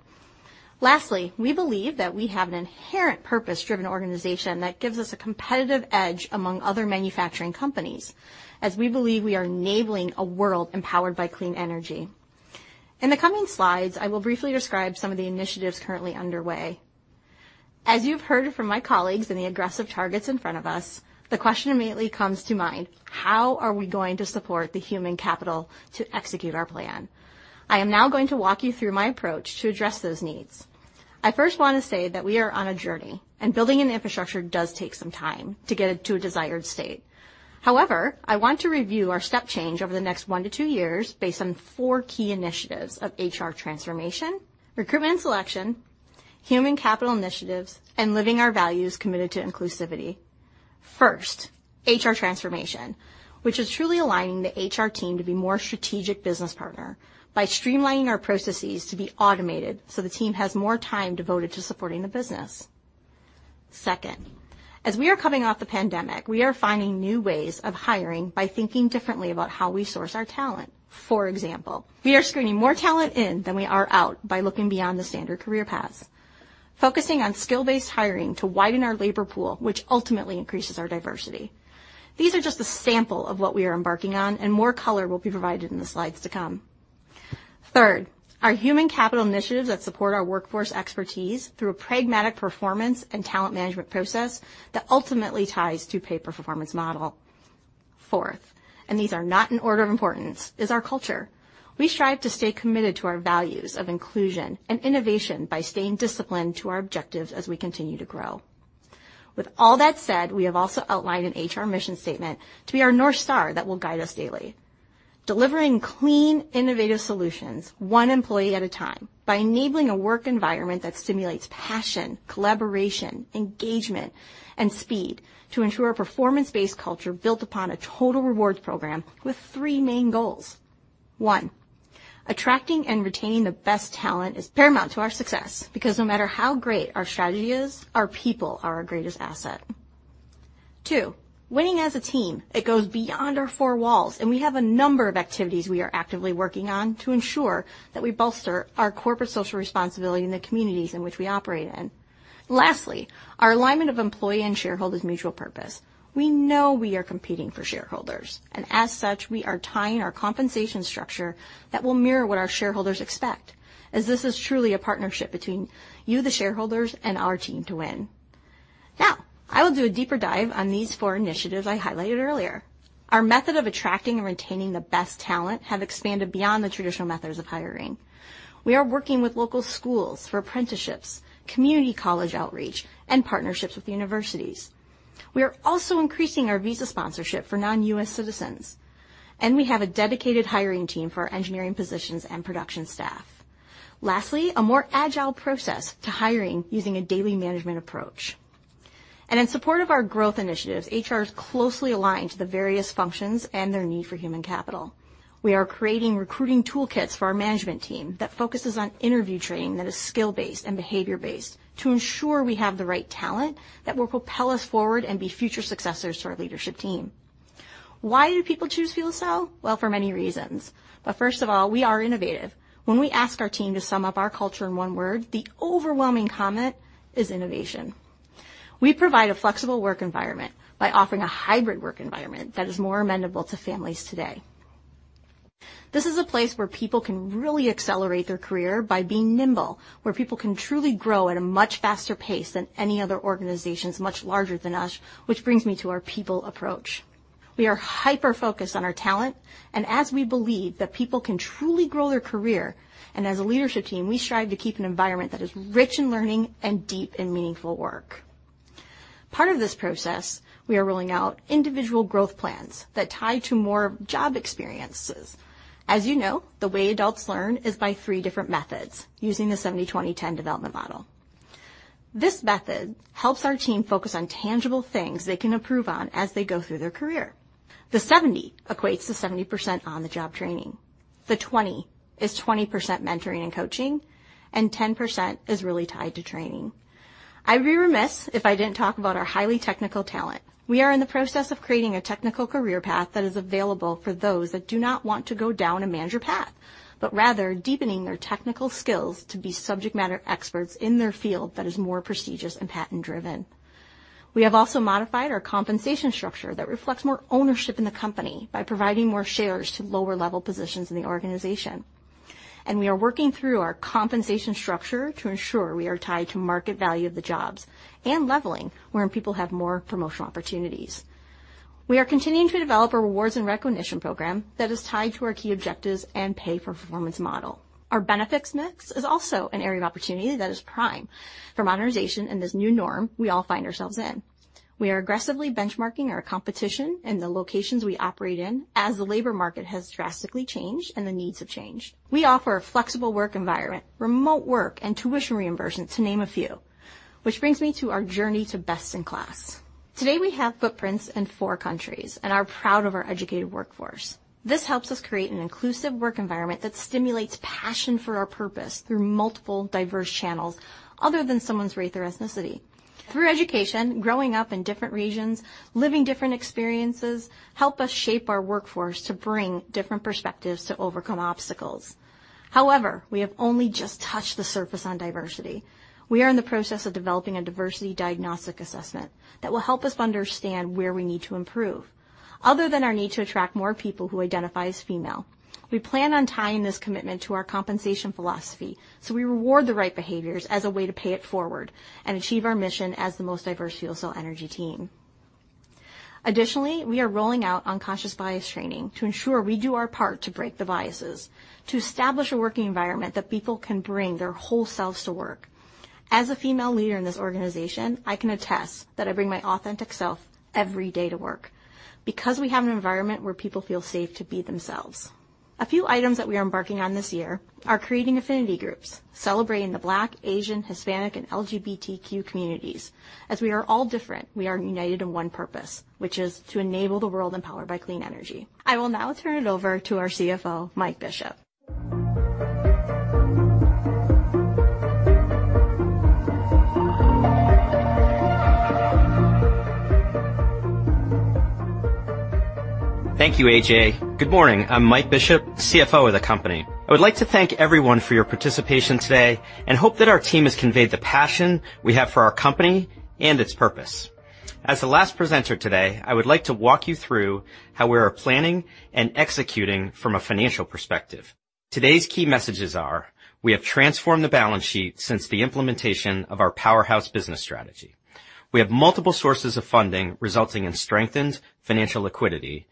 Lastly, we believe that we have an inherent purpose-driven organization that gives us a competitive edge among other manufacturing companies, as we believe we are enabling a world empowered by clean energy. In the coming slides, I will briefly describe some of the initiatives currently underway. As you've heard from my colleagues and the aggressive targets in front of us, the question immediately comes to mind, how are we going to support the human capital to execute our plan? I am now going to walk you through my approach to address those needs. I first want to say that we are on a journey, and building an infrastructure does take some time to get it to a desired state. However, I want to review our step change over the next one to two years based on four key initiatives of HR transformation, recruitment and selection, human capital initiatives, and living our values committed to inclusivity. First, HR transformation, which is truly aligning the HR team to be more strategic business partner by streamlining our processes to be automated so the team has more time devoted to supporting the business. Second, as we are coming off the pandemic, we are finding new ways of hiring by thinking differently about how we source our talent. For example, we are screening more talent in than we are out by looking beyond the standard career paths, focusing on skill-based hiring to widen our labor pool, which ultimately increases our diversity. These are just a sample of what we are embarking on, and more color will be provided in the slides to come. Third, our human capital initiatives that support our workforce expertise through a pragmatic performance and talent management process that ultimately ties to pay-for-performance model. Fourth, and these are not in order of importance, is our culture. We strive to stay committed to our values of inclusion and innovation by staying disciplined to our objectives as we continue to grow. With all that said, we have also outlined an HR mission statement to be our North Star that will guide us daily. Delivering clean, innovative solutions one employee at a time by enabling a work environment that stimulates passion, collaboration, engagement, and speed to ensure a performance-based culture built upon a total rewards program with three main goals. One, attracting and retaining the best talent is paramount to our success because no matter how great our strategy is, our people are our greatest asset. Two, winning as a team, it goes beyond our four walls, and we have a number of activities we are actively working on to ensure that we bolster our corporate social responsibility in the communities in which we operate in. Lastly, our alignment of employee and shareholders mutual purpose. We know we are competing for shareholders, and as such, we are tying our compensation structure that will mirror what our shareholders expect, as this is truly a partnership between you, the shareholders, and our team to win. Now, I will do a deeper dive on these four initiatives I highlighted earlier. Our method of attracting and retaining the best talent have expanded beyond the traditional methods of hiring. We are working with local schools for apprenticeships, community college outreach, and partnerships with universities. We are also increasing our visa sponsorship for non-U.S. citizens, and we have a dedicated hiring team for our engineering positions and production staff. Lastly, a more agile process to hiring using a daily management approach. In support of our growth initiatives, HR is closely aligned to the various functions and their need for human capital. We are creating recruiting toolkits for our management team that focuses on interview training that is skill-based and behavior-based to ensure we have the right talent that will propel us forward and be future successors to our leadership team. Why do people choose FuelCell? Well, for many reasons, but first of all, we are innovative. When we ask our team to sum up our culture in one word, the overwhelming comment is innovation. We provide a flexible work environment by offering a hybrid work environment that is more amenable to families today. This is a place where people can really accelerate their career by being nimble, where people can truly grow at a much faster pace than any other organizations much larger than us which brings me to our people approach. We are hyper-focused on our talent, and as we believe that people can truly grow their career, and as a leadership team, we strive to keep an environment that is rich in learning and deep in meaningful work. Part of this process, we are rolling out individual growth plans that tie to more job experiences. As you know, the way adults learn is by three different methods using the 70/20/10 development model. This method helps our team focus on tangible things they can improve on as they go through their career. The 70 equates to 70% on-the-job training. The 20 is 20% mentoring and coaching, and 10% is really tied to training. I'd be remiss if I didn't talk about our highly technical talent. We are in the process of creating a technical career path that is available for those that do not want to go down a manager path, but rather deepening their technical skills to be subject matter experts in their field that is more prestigious and patent-driven. We have also modified our compensation structure that reflects more ownership in the company by providing more shares to lower-level positions in the organization. We are working through our compensation structure to ensure we are tied to market value of the jobs and leveling wherein people have more promotional opportunities. We are continuing to develop a rewards and recognition program that is tied to our key objectives and pay-for-performance model. Our benefits mix is also an area of opportunity that is prime for modernization in this new norm we all find ourselves in. We are aggressively benchmarking our competition in the locations we operate in as the labor market has drastically changed and the needs have changed. We offer a flexible work environment, remote work, and tuition reimbursement to name a few, which brings me to our journey to best in class. Today, we have footprints in four countries and are proud of our educated workforce. This helps us create an inclusive work environment that stimulates passion for our purpose through multiple diverse channels other than someone's race or ethnicity. Through education, growing up in different regions, living different experiences help us shape our workforce to bring different perspectives to overcome obstacles. However, we have only just touched the surface on diversity. We are in the process of developing a diversity diagnostic assessment that will help us understand where we need to improve. Other than our need to attract more people who identify as female, we plan on tying this commitment to our compensation philosophy, so we reward the right behaviors as a way to pay it forward and achieve our mission as the most diverse FuelCell Energy team. Additionally, we are rolling out unconscious bias training to ensure we do our part to break the biases, to establish a working environment that people can bring their whole selves to work. As a female leader in this organization, I can attest that I bring my authentic self every day to work because we have an environment where people feel safe to be themselves. A few items that we are embarking on this year are creating affinity groups, celebrating the Black, Asian, Hispanic, and LGBTQ communities. As we are all different, we are united in one purpose, which is to enable the world empowered by clean energy. I will now turn it over to our CFO, Mike Bishop. Thank you, AJ. Good morning. I'm Mike Bishop, CFO of the company. I would like to thank everyone for your participation today and hope that our team has conveyed the passion we have for our company and its purpose. As the last presenter today, I would like to walk you through how we are planning and executing from a financial perspective. Today's key messages are we have transformed the balance sheet since the implementation of our Powerhouse business strategy. We have multiple sources of funding resulting in strengthened financial liquidity.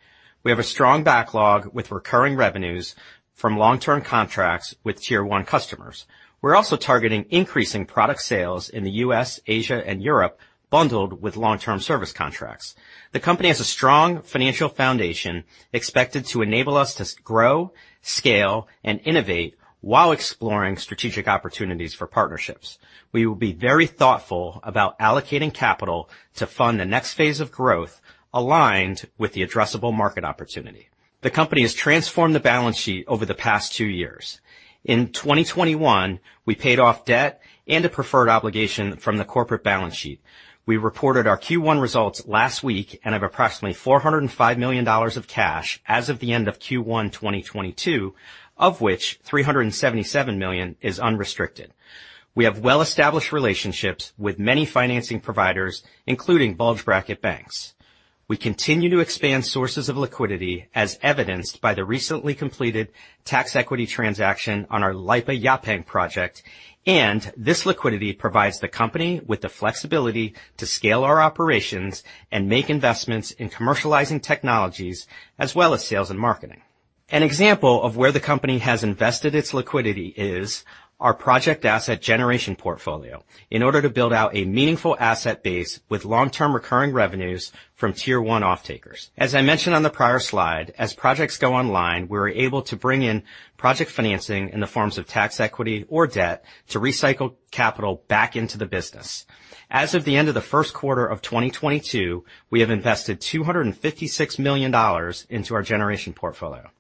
We have a strong backlog with recurring revenues from long-term contracts with tier one customers. We're also targeting increasing product sales in the U.S., Asia, and Europe, bundled with long-term service contracts. The company has a strong financial foundation expected to enable us to grow, scale, and innovate while exploring strategic opportunities for partnerships. We will be very thoughtful about allocating capital to fund the next phase of growth aligned with the addressable market opportunity. The company has transformed the balance sheet over the past two years. In 2021, we paid off debt and a preferred obligation from the corporate balance sheet. We reported our Q1 results last week and have approximately $405 million of cash as of the end of Q1 2022, of which $377 million is unrestricted. We have well-established relationships with many financing providers, including bulge bracket banks. We continue to expand sources of liquidity as evidenced by the recently completed tax equity transaction on our LIPA Yaphank project, and this liquidity provides the company with the flexibility to scale our operations and make investments in commercializing technologies as well as sales and marketing. An example of where the company has invested its liquidity is our project asset generation portfolio in order to build out a meaningful asset base with long-term recurring revenues from tier one offtakers. As I mentioned on the prior slide, as projects go online, we're able to bring in project financing in the forms of tax equity or debt to recycle capital back into the business. As of the end of the first quarter of 2022, we have invested $256 million into our generation portfolio.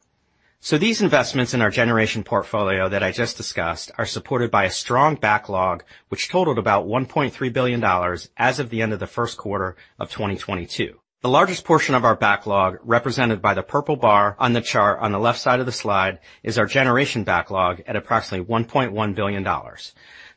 These investments in our generation portfolio that I just discussed are supported by a strong backlog, which totaled about $1.3 billion as of the end of the first quarter of 2022. The largest portion of our backlog, represented by the purple bar on the chart on the left side of the slide, is our generation backlog at approximately $1.1 billion.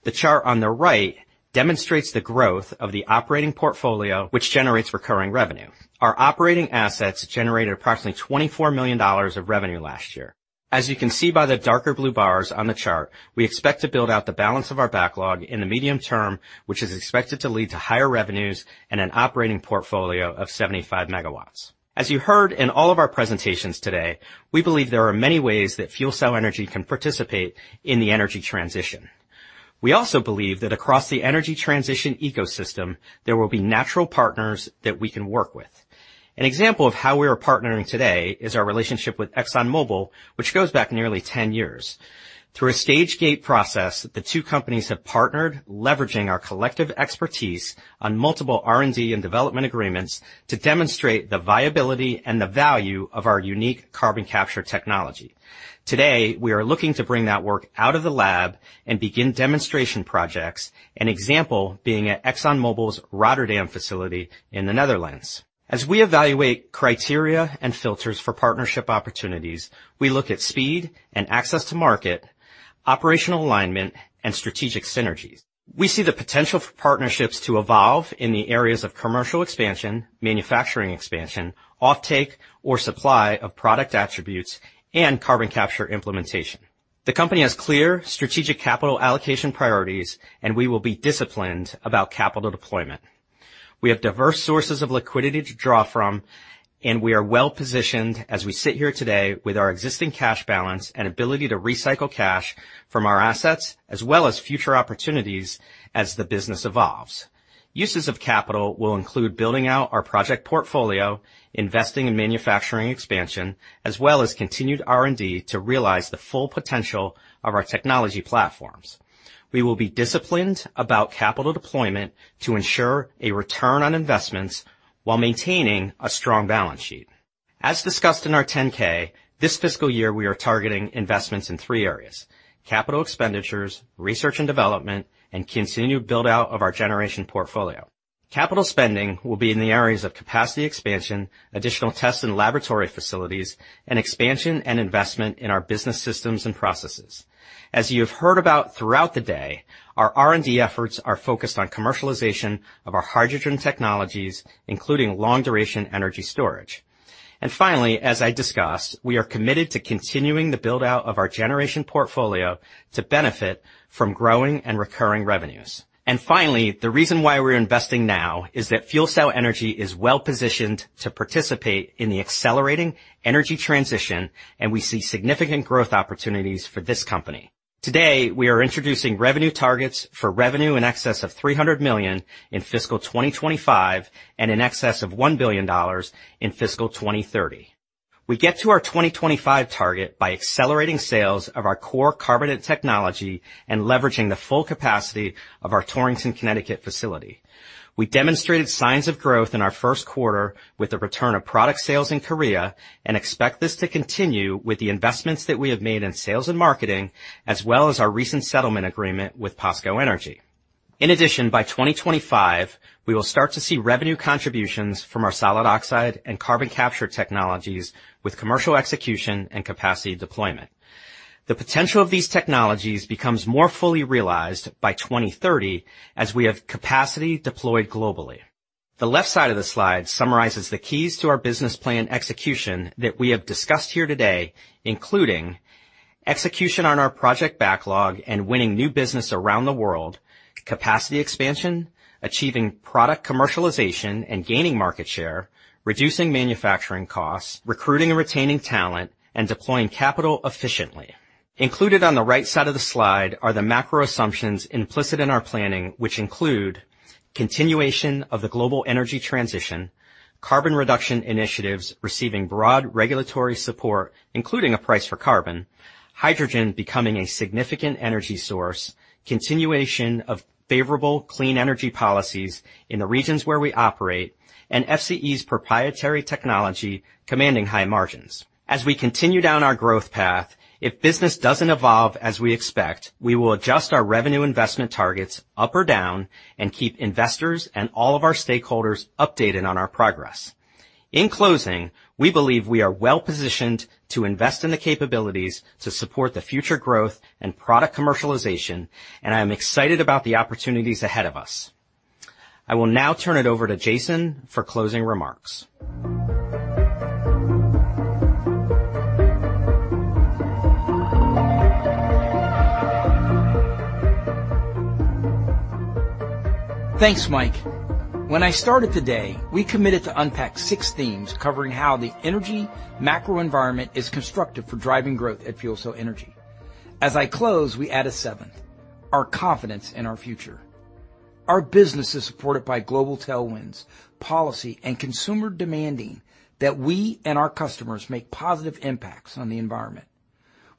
The chart on the right demonstrates the growth of the operating portfolio, which generates recurring revenue. Our operating assets generated approximately $24 million of revenue last year. As you can see by the darker blue bars on the chart, we expect to build out the balance of our backlog in the medium term, which is expected to lead to higher revenues and an operating portfolio of 75 MW. As you heard in all of our presentations today, we believe there are many ways that FuelCell Energy can participate in the energy transition. We also believe that across the energy transition ecosystem, there will be natural partners that we can work with. An example of how we are partnering today is our relationship with ExxonMobil, which goes back nearly 10 years. Through a stage gate process, the two companies have partnered, leveraging our collective expertise on multiple R&D and development agreements to demonstrate the viability and the value of our unique carbon capture technology. Today, we are looking to bring that work out of the lab and begin demonstration projects, an example being at ExxonMobil's Rotterdam facility in the Netherlands. As we evaluate criteria and filters for partnership opportunities, we look at speed and access to market, operational alignment, and strategic synergies. We see the potential for partnerships to evolve in the areas of commercial expansion, manufacturing expansion, offtake or supply of product attributes, and carbon capture implementation. The company has clear strategic capital allocation priorities, and we will be disciplined about capital deployment. We have diverse sources of liquidity to draw from, and we are well-positioned as we sit here today with our existing cash balance and ability to recycle cash from our assets as well as future opportunities as the business evolves. Uses of capital will include building out our project portfolio, investing in manufacturing expansion, as well as continued R&D to realize the full potential of our technology platforms. We will be disciplined about capital deployment to ensure a return on investments while maintaining a strong balance sheet. As discussed in our 10-K, this fiscal year we are targeting investments in three areas: capital expenditures, research and development, and continued build-out of our generation portfolio. Capital spending will be in the areas of capacity expansion, additional tests and laboratory facilities, and expansion and investment in our business systems and processes. As you have heard about throughout the day, our R&D efforts are focused on commercialization of our hydrogen technologies, including long-duration energy storage. Finally, as I discussed, we are committed to continuing the build-out of our generation portfolio to benefit from growing and recurring revenues. Finally, the reason why we're investing now is that FuelCell Energy is well-positioned to participate in the accelerating energy transition, and we see significant growth opportunities for this company. Today, we are introducing revenue targets for revenue in excess of $300 million in fiscal 2025 and in excess of $1 billion in fiscal 2030. We get to our 2025 target by accelerating sales of our core carbonate technology and leveraging the full capacity of our Torrington, Connecticut facility. We demonstrated signs of growth in our first quarter with the return of product sales in Korea and expect this to continue with the investments that we have made in sales and marketing, as well as our recent settlement agreement with POSCO Energy. In addition, by 2025, we will start to see revenue contributions from our solid oxide and carbon capture technologies with commercial execution and capacity deployment. The potential of these technologies becomes more fully realized by 2030 as we have capacity deployed globally. The left side of the slide summarizes the keys to our business plan execution that we have discussed here today, including execution on our project backlog and winning new business around the world, capacity expansion, achieving product commercialization and gaining market share, reducing manufacturing costs, recruiting and retaining talent, and deploying capital efficiently. Included on the right side of the slide are the macro assumptions implicit in our planning, which include continuation of the global energy transition, carbon reduction initiatives receiving broad regulatory support, including a price for carbon, hydrogen becoming a significant energy source, continuation of favorable clean energy policies in the regions where we operate, and FCE's proprietary technology commanding high margins. As we continue down our growth path, if business doesn't evolve as we expect, we will adjust our revenue investment targets up or down and keep investors and all of our stakeholders updated on our progress. In closing, we believe we are well-positioned to invest in the capabilities to support the future growth and product commercialization, and I am excited about the opportunities ahead of us. I will now turn it over to Jason for closing remarks. Thanks, Mike. When I started today, we committed to unpack six themes covering how the energy macro environment is constructive for driving growth at FuelCell Energy. As I close, we add a seventh, our confidence in our future. Our business is supported by global tailwinds, policy, and consumers demanding that we and our customers make positive impacts on the environment.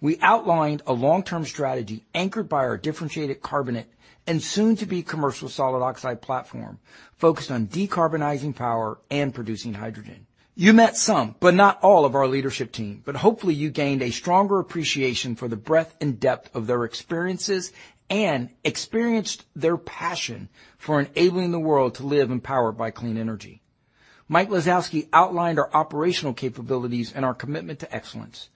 We outlined a long-term strategy anchored by our differentiated carbonate and soon to be commercial solid oxide platform, focused on decarbonizing power and producing hydrogen. You met some, but not all of our leadership team, but hopefully you gained a stronger appreciation for the breadth and depth of their experiences and experienced their passion for enabling the world to live powered by clean energy. Mike Lisowski outlined our operational capabilities and our commitment to excellence.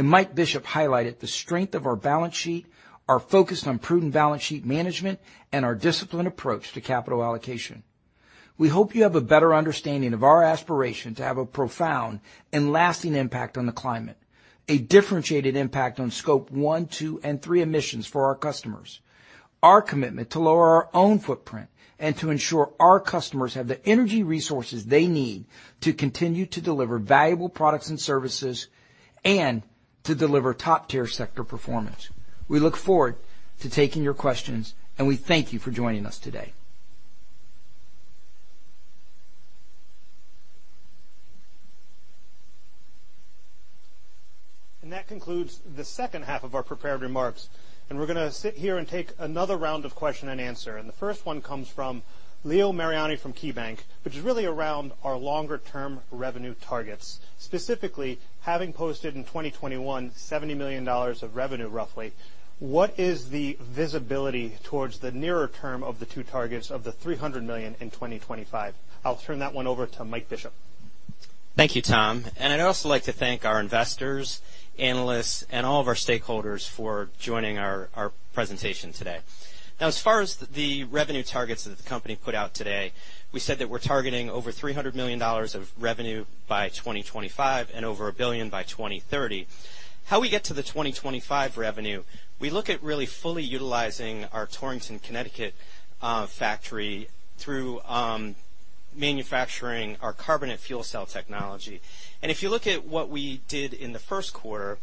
Mike Bishop highlighted the strength of our balance sheet, our focus on prudent balance sheet management, and our disciplined approach to capital allocation. We hope you have a better understanding of our aspiration to have a profound and lasting impact on the climate, a differentiated impact on scope one, two, and three emissions for our customers, our commitment to lower our own footprint and to ensure our customers have the energy resources they need to continue to deliver valuable products and services and to deliver top-tier sector performance. We look forward to taking your questions, and we thank you for joining us today. That concludes the second half of our prepared remarks, and we're gonna sit here and take another round of question and answer. The first one comes from Leo Mariani from KeyBank, which is really around our longer term revenue targets. Specifically, having posted in 2021, $70 million of revenue, roughly, what is the visibility towards the nearer term of the two targets of the $300 million in 2025? I'll turn that one over to Michael Bishop. Thank you, Tom. I'd also like to thank our investors, analysts, and all of our stakeholders for joining our presentation today. Now, as far as the revenue targets that the company put out today, we said that we're targeting over $300 million of revenue by 2025 and over $1 billion by 2030. How we get to the 2025 revenue, we look at really fully utilizing our Torrington, Connecticut, factory through manufacturing our carbonate fuel cell technology. If you look at what we did in the first quarter,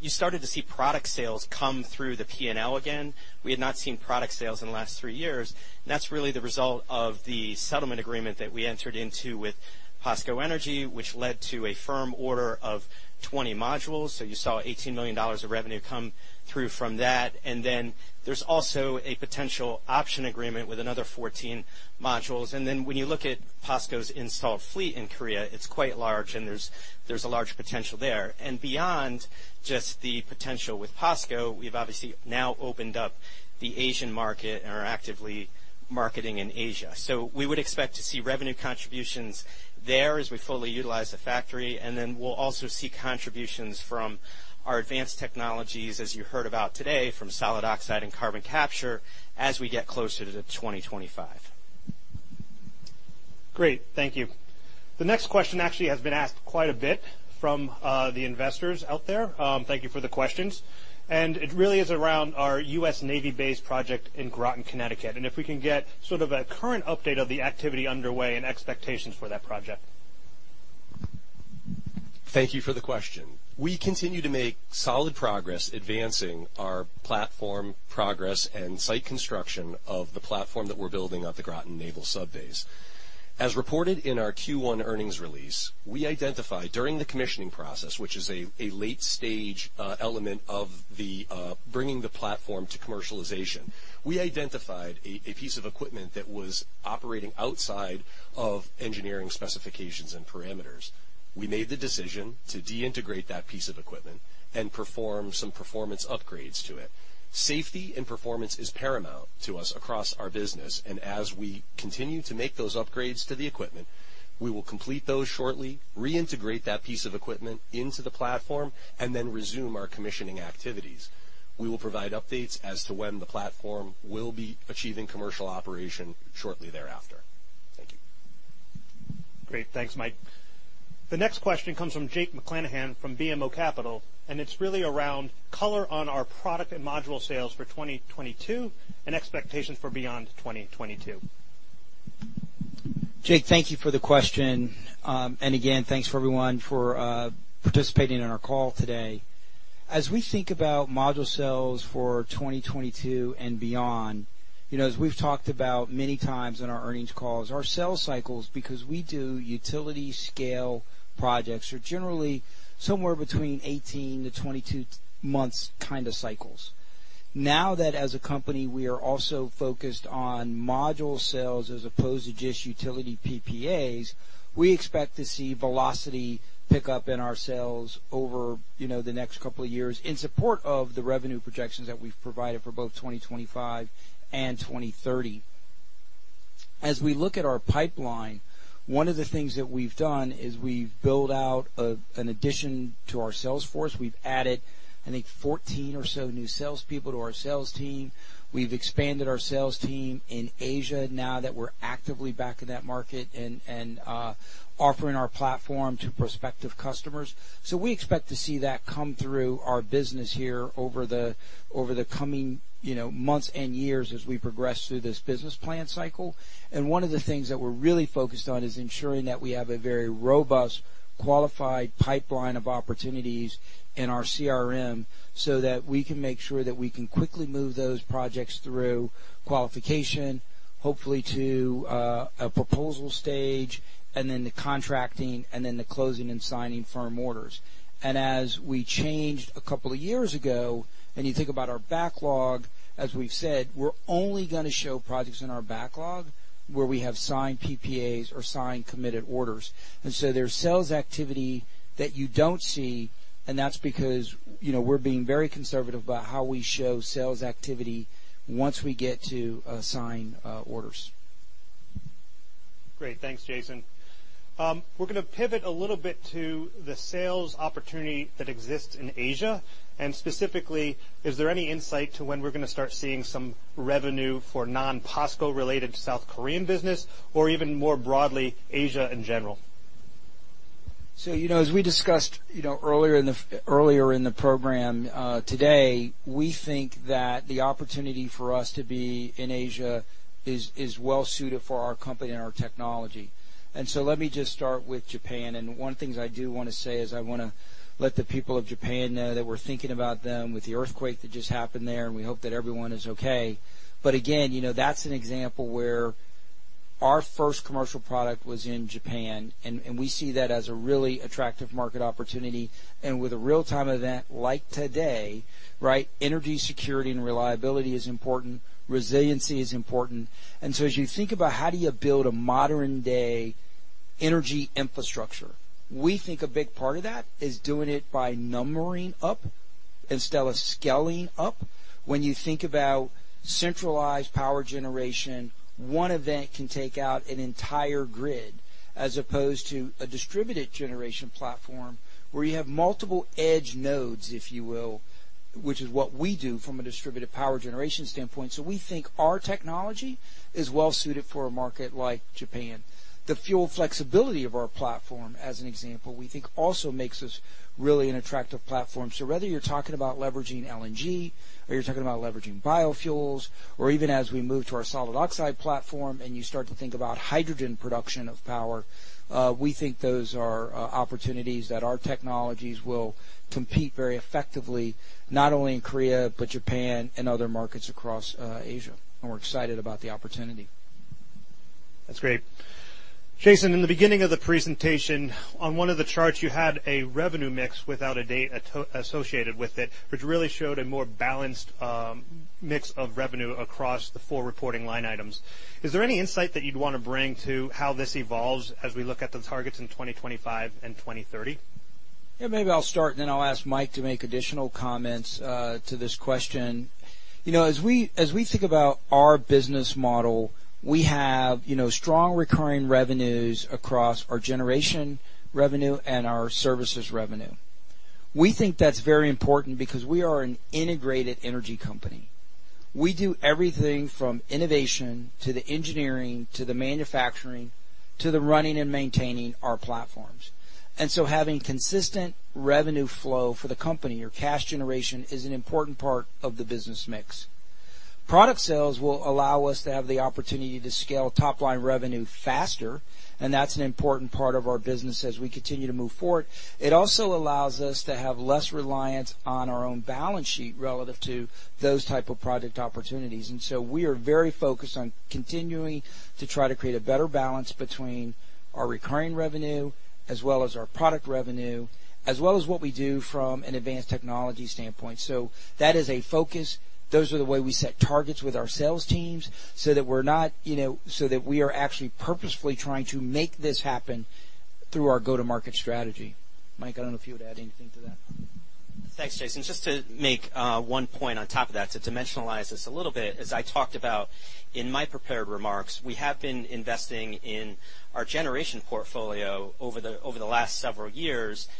you started to see product sales come through the P&L again. We had not seen product sales in the last three years. That's really the result of the settlement agreement that we entered into with POSCO Energy, which led to a firm order of 20 modules. You saw $18 million of revenue come through from that. Then there's also a potential option agreement with another 14 modules. Then when you look at POSCO's installed fleet in Korea, it's quite large, and there's a large potential there. Beyond just the potential with POSCO, we've obviously now opened up the Asian market and are actively marketing in Asia. We would expect to see revenue contributions there as we fully utilize the factory. Then we'll also see contributions from our advanced technologies, as you heard about today, from solid oxide and carbon capture as we get closer to 2025. Great. Thank you. The next question actually has been asked quite a bit from the investors out there. Thank you for the questions. It really is around our U.S. Navy base project in Groton, Connecticut, and if we can get sort of a current update of the activity underway and expectations for that project. Thank you for the question. We continue to make solid progress advancing our platform progress and site construction of the platform that we're building at the Groton Naval Submarine Base. As reported in our Q1 earnings release, we identified during the commissioning process, which is a late stage element of bringing the platform to commercialization. We identified a piece of equipment that was operating outside of engineering specifications and parameters. We made the decision to deintegrate that piece of equipment and perform some performance upgrades to it. Safety and performance is paramount to us across our business, and as we continue to make those upgrades to the equipment, we will complete those shortly, reintegrate that piece of equipment into the platform, and then resume our commissioning activities. We will provide updates as to when the platform will be achieving commercial operation shortly thereafter. Thank you. Great. Thanks, Mike. The next question comes from Jake McClanahan from BMO Capital, and it's really around color on our product and module sales for 2022 and expectations for beyond 2022. Jake, thank you for the question. Again, thanks for everyone for participating in our call today. As we think about module sales for 2022 and beyond, you know, as we've talked about many times in our earnings calls, our sales cycles, because we do utility scale projects, are generally somewhere between 18-22 months kind of cycles. Now that as a company, we are also focused on module sales as opposed to just utility PPAs, we expect to see velocity pick up in our sales over, you know, the next couple of years in support of the revenue projections that we've provided for both 2025 and 2030. As we look at our pipeline, one of the things that we've done is we've built out an addition to our sales force. We've added, I think, 14 or so new salespeople to our sales team. We've expanded our sales team in Asia now that we're actively back in that market and offering our platform to prospective customers. We expect to see that come through our business here over the coming, you know, months and years as we progress through this business plan cycle. One of the things that we're really focused on is ensuring that we have a very robust, qualified pipeline of opportunities in our CRM so that we can make sure that we can quickly move those projects through qualification, hopefully to a proposal stage and then the contracting and then the closing and signing firm orders. As we changed a couple of years ago, and you think about our backlog, as we've said, we're only gonna show projects in our backlog where we have signed PPAs or signed committed orders. There's sales activity that you don't see, and that's because, you know, we're being very conservative about how we show sales activity once we get to sign orders. Great. Thanks, Jason. We're gonna pivot a little bit to the sales opportunity that exists in Asia. Specifically, is there any insight to when we're gonna start seeing some revenue for non-POSCO-related South Korean business, or even more broadly, Asia in general? You know, as we discussed, you know, earlier in the program, today, we think that the opportunity for us to be in Asia is well suited for our company and our technology. Let me just start with Japan. One things I do wanna say is I wanna let the people of Japan know that we're thinking about them with the earthquake that just happened there, and we hope that everyone is okay. Again, you know, that's an example where our first commercial product was in Japan, and we see that as a really attractive market opportunity. With a real-time event like today, right, energy security and reliability is important, resiliency is important. As you think about how do you build a modern-day energy infrastructure, we think a big part of that is doing it by numbering up instead of scaling up. When you think about centralized power generation, one event can take out an entire grid, as opposed to a distributed generation platform where you have multiple edge nodes, if you will, which is what we do from a distributed power generation standpoint. We think our technology is well suited for a market like Japan. The fuel flexibility of our platform, as an example, we think also makes us really an attractive platform. Whether you're talking about leveraging LNG or you're talking about leveraging biofuels or even as we move to our solid oxide platform and you start to think about hydrogen production of power, we think those are opportunities that our technologies will compete very effectively, not only in Korea, but Japan and other markets across Asia. We're excited about the opportunity. That's great. Jason, in the beginning of the presentation, on one of the charts, you had a revenue mix without a date associated with it, which really showed a more balanced mix of revenue across the four reporting line items. Is there any insight that you'd wanna bring to how this evolves as we look at the targets in 2025 and 2030? Yeah, maybe I'll start and then I'll ask Mike to make additional comments to this question. You know, as we think about our business model, we have, you know, strong recurring revenues across our generation revenue and our services revenue. We think that's very important because we are an integrated energy company. We do everything from innovation to the engineering to the manufacturing to the running and maintaining our platforms. Having consistent revenue flow for the company or cash generation is an important part of the business mix. Product sales will allow us to have the opportunity to scale top-line revenue faster, and that's an important part of our business as we continue to move forward. It also allows us to have less reliance on our own balance sheet relative to those type of project opportunities. We are very focused on continuing to try to create a better balance between our recurring revenue as well as our product revenue, as well as what we do from an advanced technology standpoint. That is a focus. Those are the way we set targets with our sales teams so that we're not, you know, so that we are actually purposefully trying to make this happen through our go-to-market strategy. Mike, I don't know if you would add anything to that. Thanks, Jason. Just to make one point on top of that, to dimensionalize this a little bit, as I talked about in my prepared remarks, we have been investing in our generation portfolio over the last several years. Today,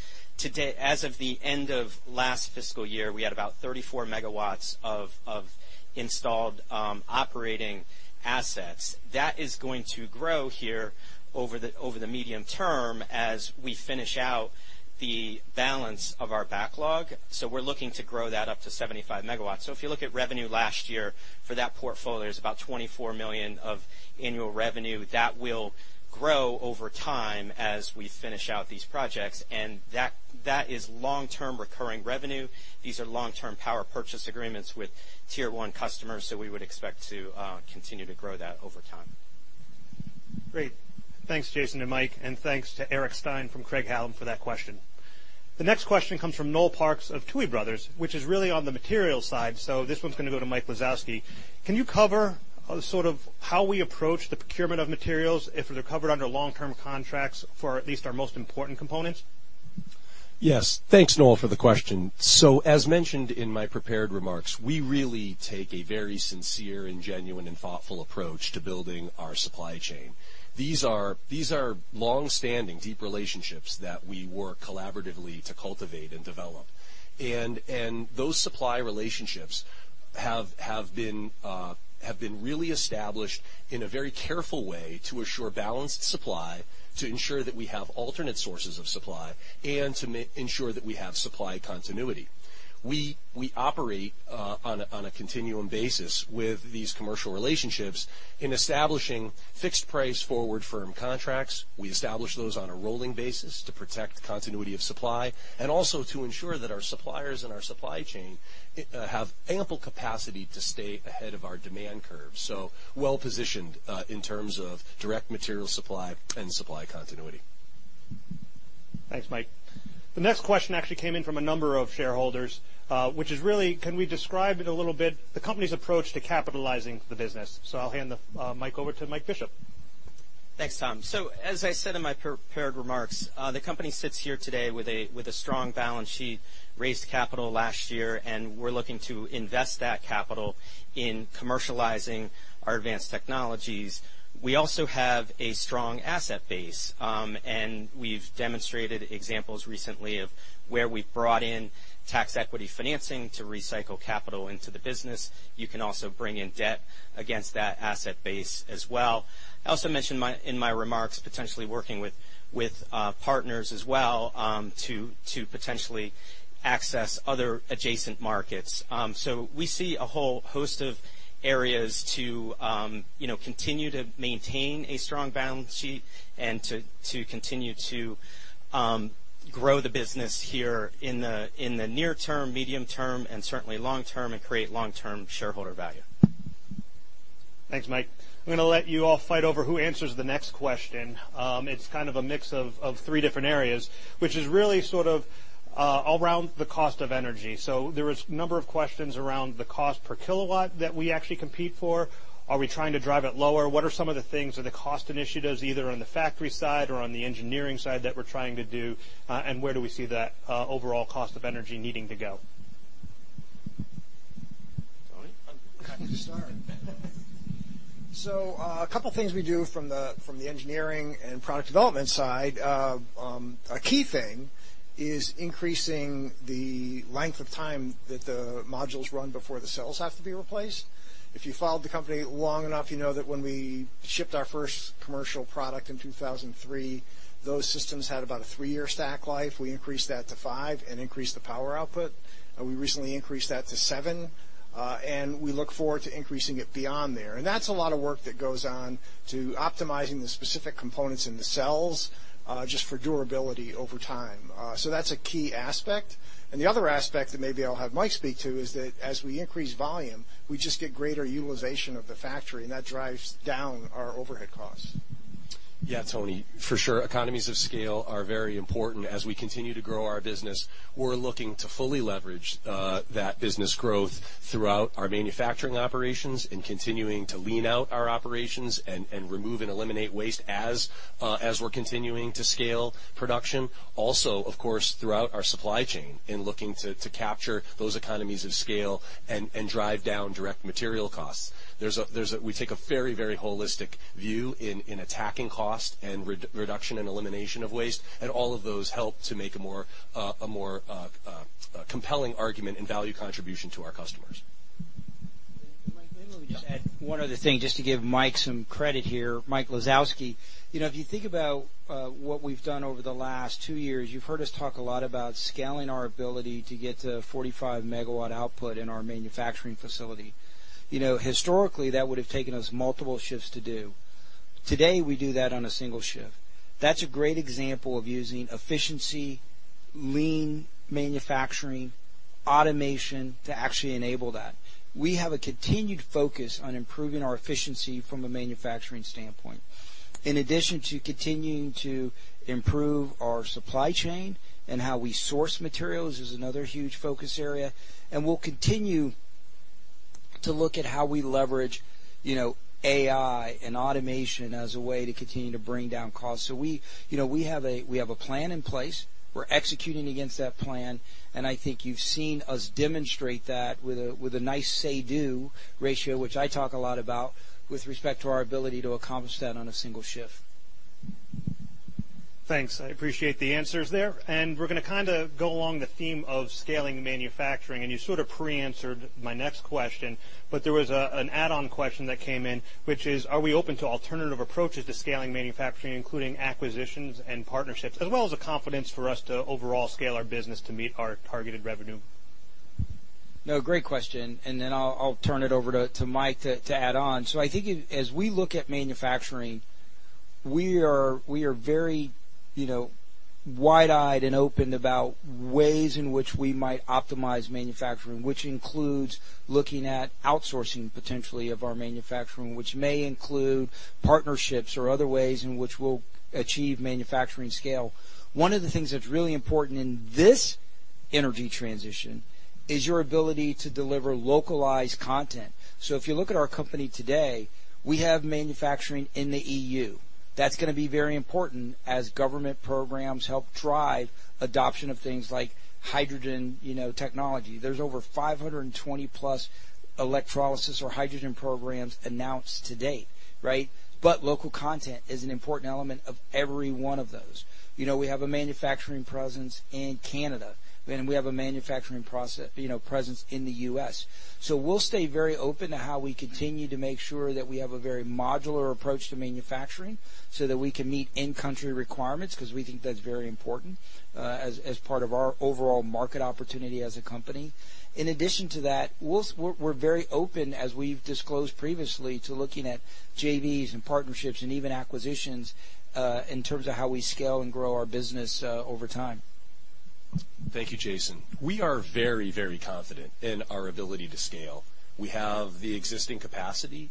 as of the end of last fiscal year, we had about 34 MW of installed operating assets. That is going to grow here over the medium term as we finish out the balance of our backlog. We're looking to grow that up to 75 MW. If you look at revenue last year for that portfolio, there's about $24 million of annual revenue that will grow over time as we finish out these projects. That is long-term recurring revenue. These are long-term power purchase agreements with tier one customers, so we would expect to continue to grow that over time. Great. Thanks, Jason and Mike. Thanks to Eric Stein from Craig-Hallum for that question. The next question comes from Noel Parks of Tuohy Brothers, which is really on the materials side. This one's gonna go to Mike Lisowski. Can you cover, sort of how we approach the procurement of materials if they're covered under long-term contracts for at least our most important components? Yes. Thanks, Noel, for the question. As mentioned in my prepared remarks, we really take a very sincere and genuine and thoughtful approach to building our supply chain. These are longstanding, deep relationships that we work collaboratively to cultivate and develop. And those supply relationships have been really established in a very careful way to assure balanced supply, to ensure that we have alternate sources of supply, and to ensure that we have supply continuity. We operate on a continuum basis with these commercial relationships in establishing fixed price forward firm contracts. We establish those on a rolling basis to protect continuity of supply and also to ensure that our suppliers and our supply chain have ample capacity to stay ahead of our demand curve. Well-positioned in terms of direct material supply and supply continuity. Thanks, Mike. The next question actually came in from a number of shareholders, which is really, can we describe it a little bit, the company's approach to capitalizing the business? I'll hand the mic over to Michael Bishop. Thanks, Tom. As I said in my prepared remarks, the company sits here today with a strong balance sheet, raised capital last year, and we're looking to invest that capital in commercializing our advanced technologies. We also have a strong asset base, and we've demonstrated examples recently of where we've brought in tax equity financing to recycle capital into the business. You can also bring in debt against that asset base as well. I also mentioned in my remarks, potentially working with partners as well, to potentially access other adjacent markets. We see a whole host of areas to, you know, continue to maintain a strong balance sheet and to continue to grow the business here in the near term, medium term, and certainly long term, and create long-term shareholder value. Thanks, Mike. I'm gonna let you all fight over who answers the next question. It's kind of a mix of three different areas, which is really sort of around the cost of energy. There was a number of questions around the cost per kilowatt that we actually compete for. Are we trying to drive it lower? What are some of the things or the cost initiatives, either on the factory side or on the engineering side, that we're trying to do, and where do we see that overall cost of energy needing to go? Tony? I'm cutting you, sorry. A couple of things we do from the engineering and product development side. A key thing is increasing the length of time that the modules run before the cells have to be replaced. If you followed the company long enough, you know that when we shipped our first commercial product in 2003, those systems had about a three-year stack life. We increased that to five and increased the power output. We recently increased that to seven, and we look forward to increasing it beyond there. That's a lot of work that goes on to optimizing the specific components in the cells, just for durability over time. That's a key aspect. The other aspect that maybe I'll have Mike speak to is that as we increase volume, we just get greater utilization of the factory, and that drives down our overhead costs. Yeah, Tony, for sure. Economies of scale are very important. As we continue to grow our business, we're looking to fully leverage that business growth throughout our manufacturing operations and continuing to lean out our operations and remove and eliminate waste as we're continuing to scale production. Also, of course, throughout our supply chain in looking to capture those economies of scale and drive down direct material costs. We take a very, very holistic view in attacking cost reduction and elimination of waste, and all of those help to make a more compelling argument and value contribution to our customers. Mike, maybe let me just add one other thing just to give Mike some credit here, Mike Lisowski. You know, if you think about what we've done over the last two years, you've heard us talk a lot about scaling our ability to get to 45 MW output in our manufacturing facility. You know, historically, that would have taken us multiple shifts to do. Today, we do that on a single shift. That's a great example of using efficiency, lean manufacturing, automation to actually enable that. We have a continued focus on improving our efficiency from a manufacturing standpoint. In addition to continuing to improve our supply chain and how we source materials is another huge focus area. We'll continue to look at how we leverage, you know, AI and automation as a way to continue to bring down costs. We, you know, have a plan in place. We're executing against that plan. I think you've seen us demonstrate that with a nice say-do ratio, which I talk a lot about, with respect to our ability to accomplish that on a single shift. Thanks. I appreciate the answers there. We're gonna kinda go along the theme of scaling manufacturing, and you sorta pre-answered my next question. There was an add-on question that came in, which is: Are we open to alternative approaches to scaling manufacturing, including acquisitions and partnerships, as well as the confidence for us to overall scale our business to meet our targeted revenue? No, great question, and then I'll turn it over to Mike to add on. I think as we look at manufacturing, we are very, you know, wide-eyed and open about ways in which we might optimize manufacturing, which includes looking at outsourcing, potentially, of our manufacturing, which may include partnerships or other ways in which we'll achieve manufacturing scale. One of the things that's really important in this energy transition is your ability to deliver localized content. If you look at our company today, we have manufacturing in the E.U. That's gonna be very important as government programs help drive adoption of things like hydrogen, you know, technology. There's over 520+ electrolysis or hydrogen programs announced to date, right? Local content is an important element of every one of those. You know, we have a manufacturing presence in Canada, and we have a manufacturing presence in the U.S.. We'll stay very open to how we continue to make sure that we have a very modular approach to manufacturing so that we can meet in-country requirements 'cause we think that's very important, as part of our overall market opportunity as a company. In addition to that, we're very open, as we've disclosed previously, to looking at JVs and partnerships and even acquisitions, in terms of how we scale and grow our business, over time. Thank you, Jason. We are very, very confident in our ability to scale. We have the existing capacity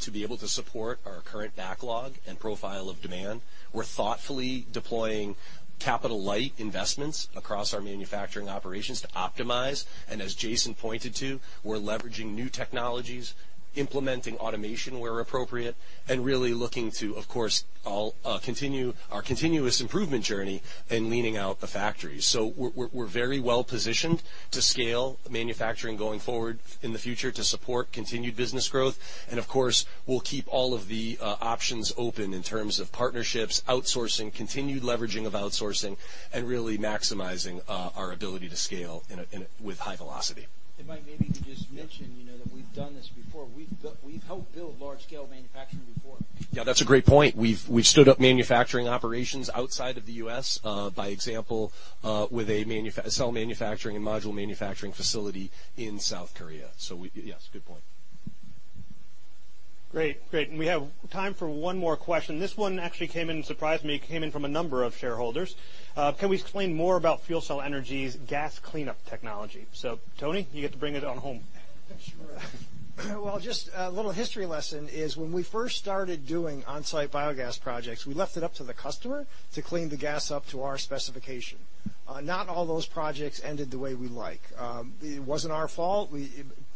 to be able to support our current backlog and profile of demand. We're thoughtfully deploying capital-light investments across our manufacturing operations to optimize, and as Jason pointed to, we're leveraging new technologies, implementing automation where appropriate, and really looking to, of course, all, continue our continuous improvement journey in leaning out the factories. We're very well positioned to scale manufacturing going forward in the future to support continued business growth. Of course, we'll keep all of the options open in terms of partnerships, outsourcing, continued leveraging of outsourcing, and really maximizing our ability to scale in a with high velocity. Mike, maybe to just mention. Yeah. You know, that we've done this before. We've helped build large scale manufacturing before. Yeah, that's a great point. We've stood up manufacturing operations outside of the U.S., for example, with a cell manufacturing and module manufacturing facility in South Korea. Yes, good point. Great. We have time for one more question. This one actually came in, surprised me, from a number of shareholders. Can we explain more about FuelCell Energy's gas cleanup technology? Tony, you get to bring it on home. Sure. Well, just a little history lesson is when we first started doing on-site biogas projects, we left it up to the customer to clean the gas up to our specification. Not all those projects ended the way we like. It wasn't our fault.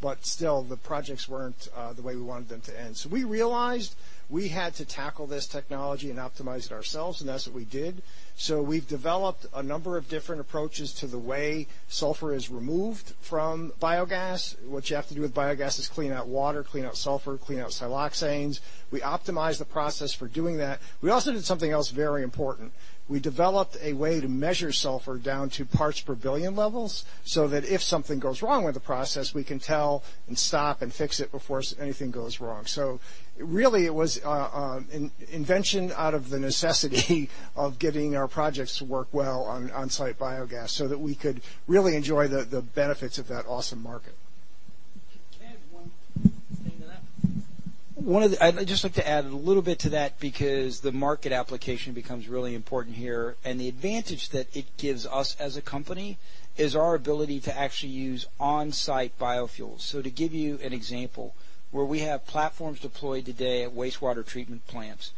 But still, the projects weren't the way we wanted them to end. We realized we had to tackle this technology and optimize it ourselves, and that's what we did. We've developed a number of different approaches to the way sulfur is removed from biogas. What you have to do with biogas is clean out water, clean out sulfur, clean out siloxanes. We optimized the process for doing that. We also did something else very important. We developed a way to measure sulfur down to parts per billion levels, so that if something goes wrong with the process, we can tell and stop and fix it before anything goes wrong. Really, it was an invention out of the necessity of getting our projects to work well on on-site biogas so that we could really enjoy the benefits of that awesome market. Can I add one thing to that? I'd just like to add a little bit to that because the market application becomes really important here. The advantage that it gives us as a company is our ability to actually use on-site biofuels. To give you an example, where we have platforms deployed today at wastewater treatment plants,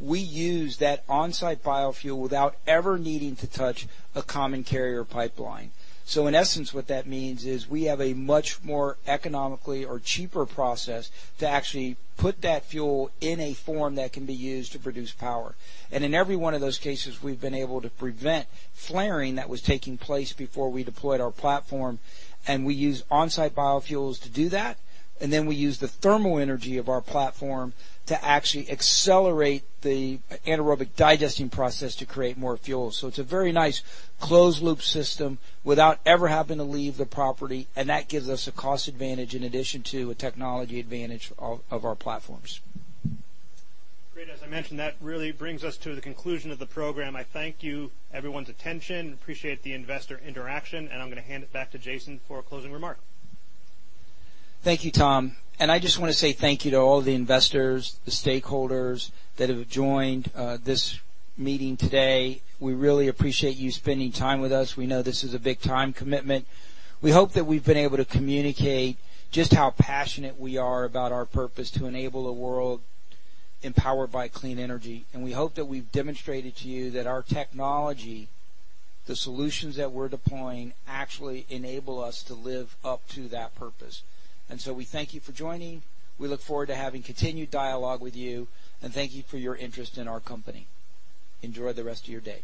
we use that on-site biofuel without ever needing to touch a common carrier pipeline. In essence, what that means is we have a much more economically or cheaper process to actually put that fuel in a form that can be used to produce power. In every one of those cases, we've been able to prevent flaring that was taking place before we deployed our platform, and we use on-site biofuels to do that. We use the thermal energy of our platform to actually accelerate the anaerobic digesting process to create more fuel. It's a very nice closed loop system without ever having to leave the property, and that gives us a cost advantage in addition to a technology advantage of our platforms. Great. As I mentioned, that really brings us to the conclusion of the program. I thank you for everyone's attention. I appreciate the investor interaction, and I'm gonna hand it back to Jason for a closing remark. Thank you, Tom. I just wanna say thank you to all the investors, the stakeholders that have joined this meeting today. We really appreciate you spending time with us. We know this is a big time commitment. We hope that we've been able to communicate just how passionate we are about our purpose to enable a world empowered by clean energy. We hope that we've demonstrated to you that our technology, the solutions that we're deploying, actually enable us to live up to that purpose. We thank you for joining. We look forward to having continued dialogue with you, and thank you for your interest in our company. Enjoy the rest of your day.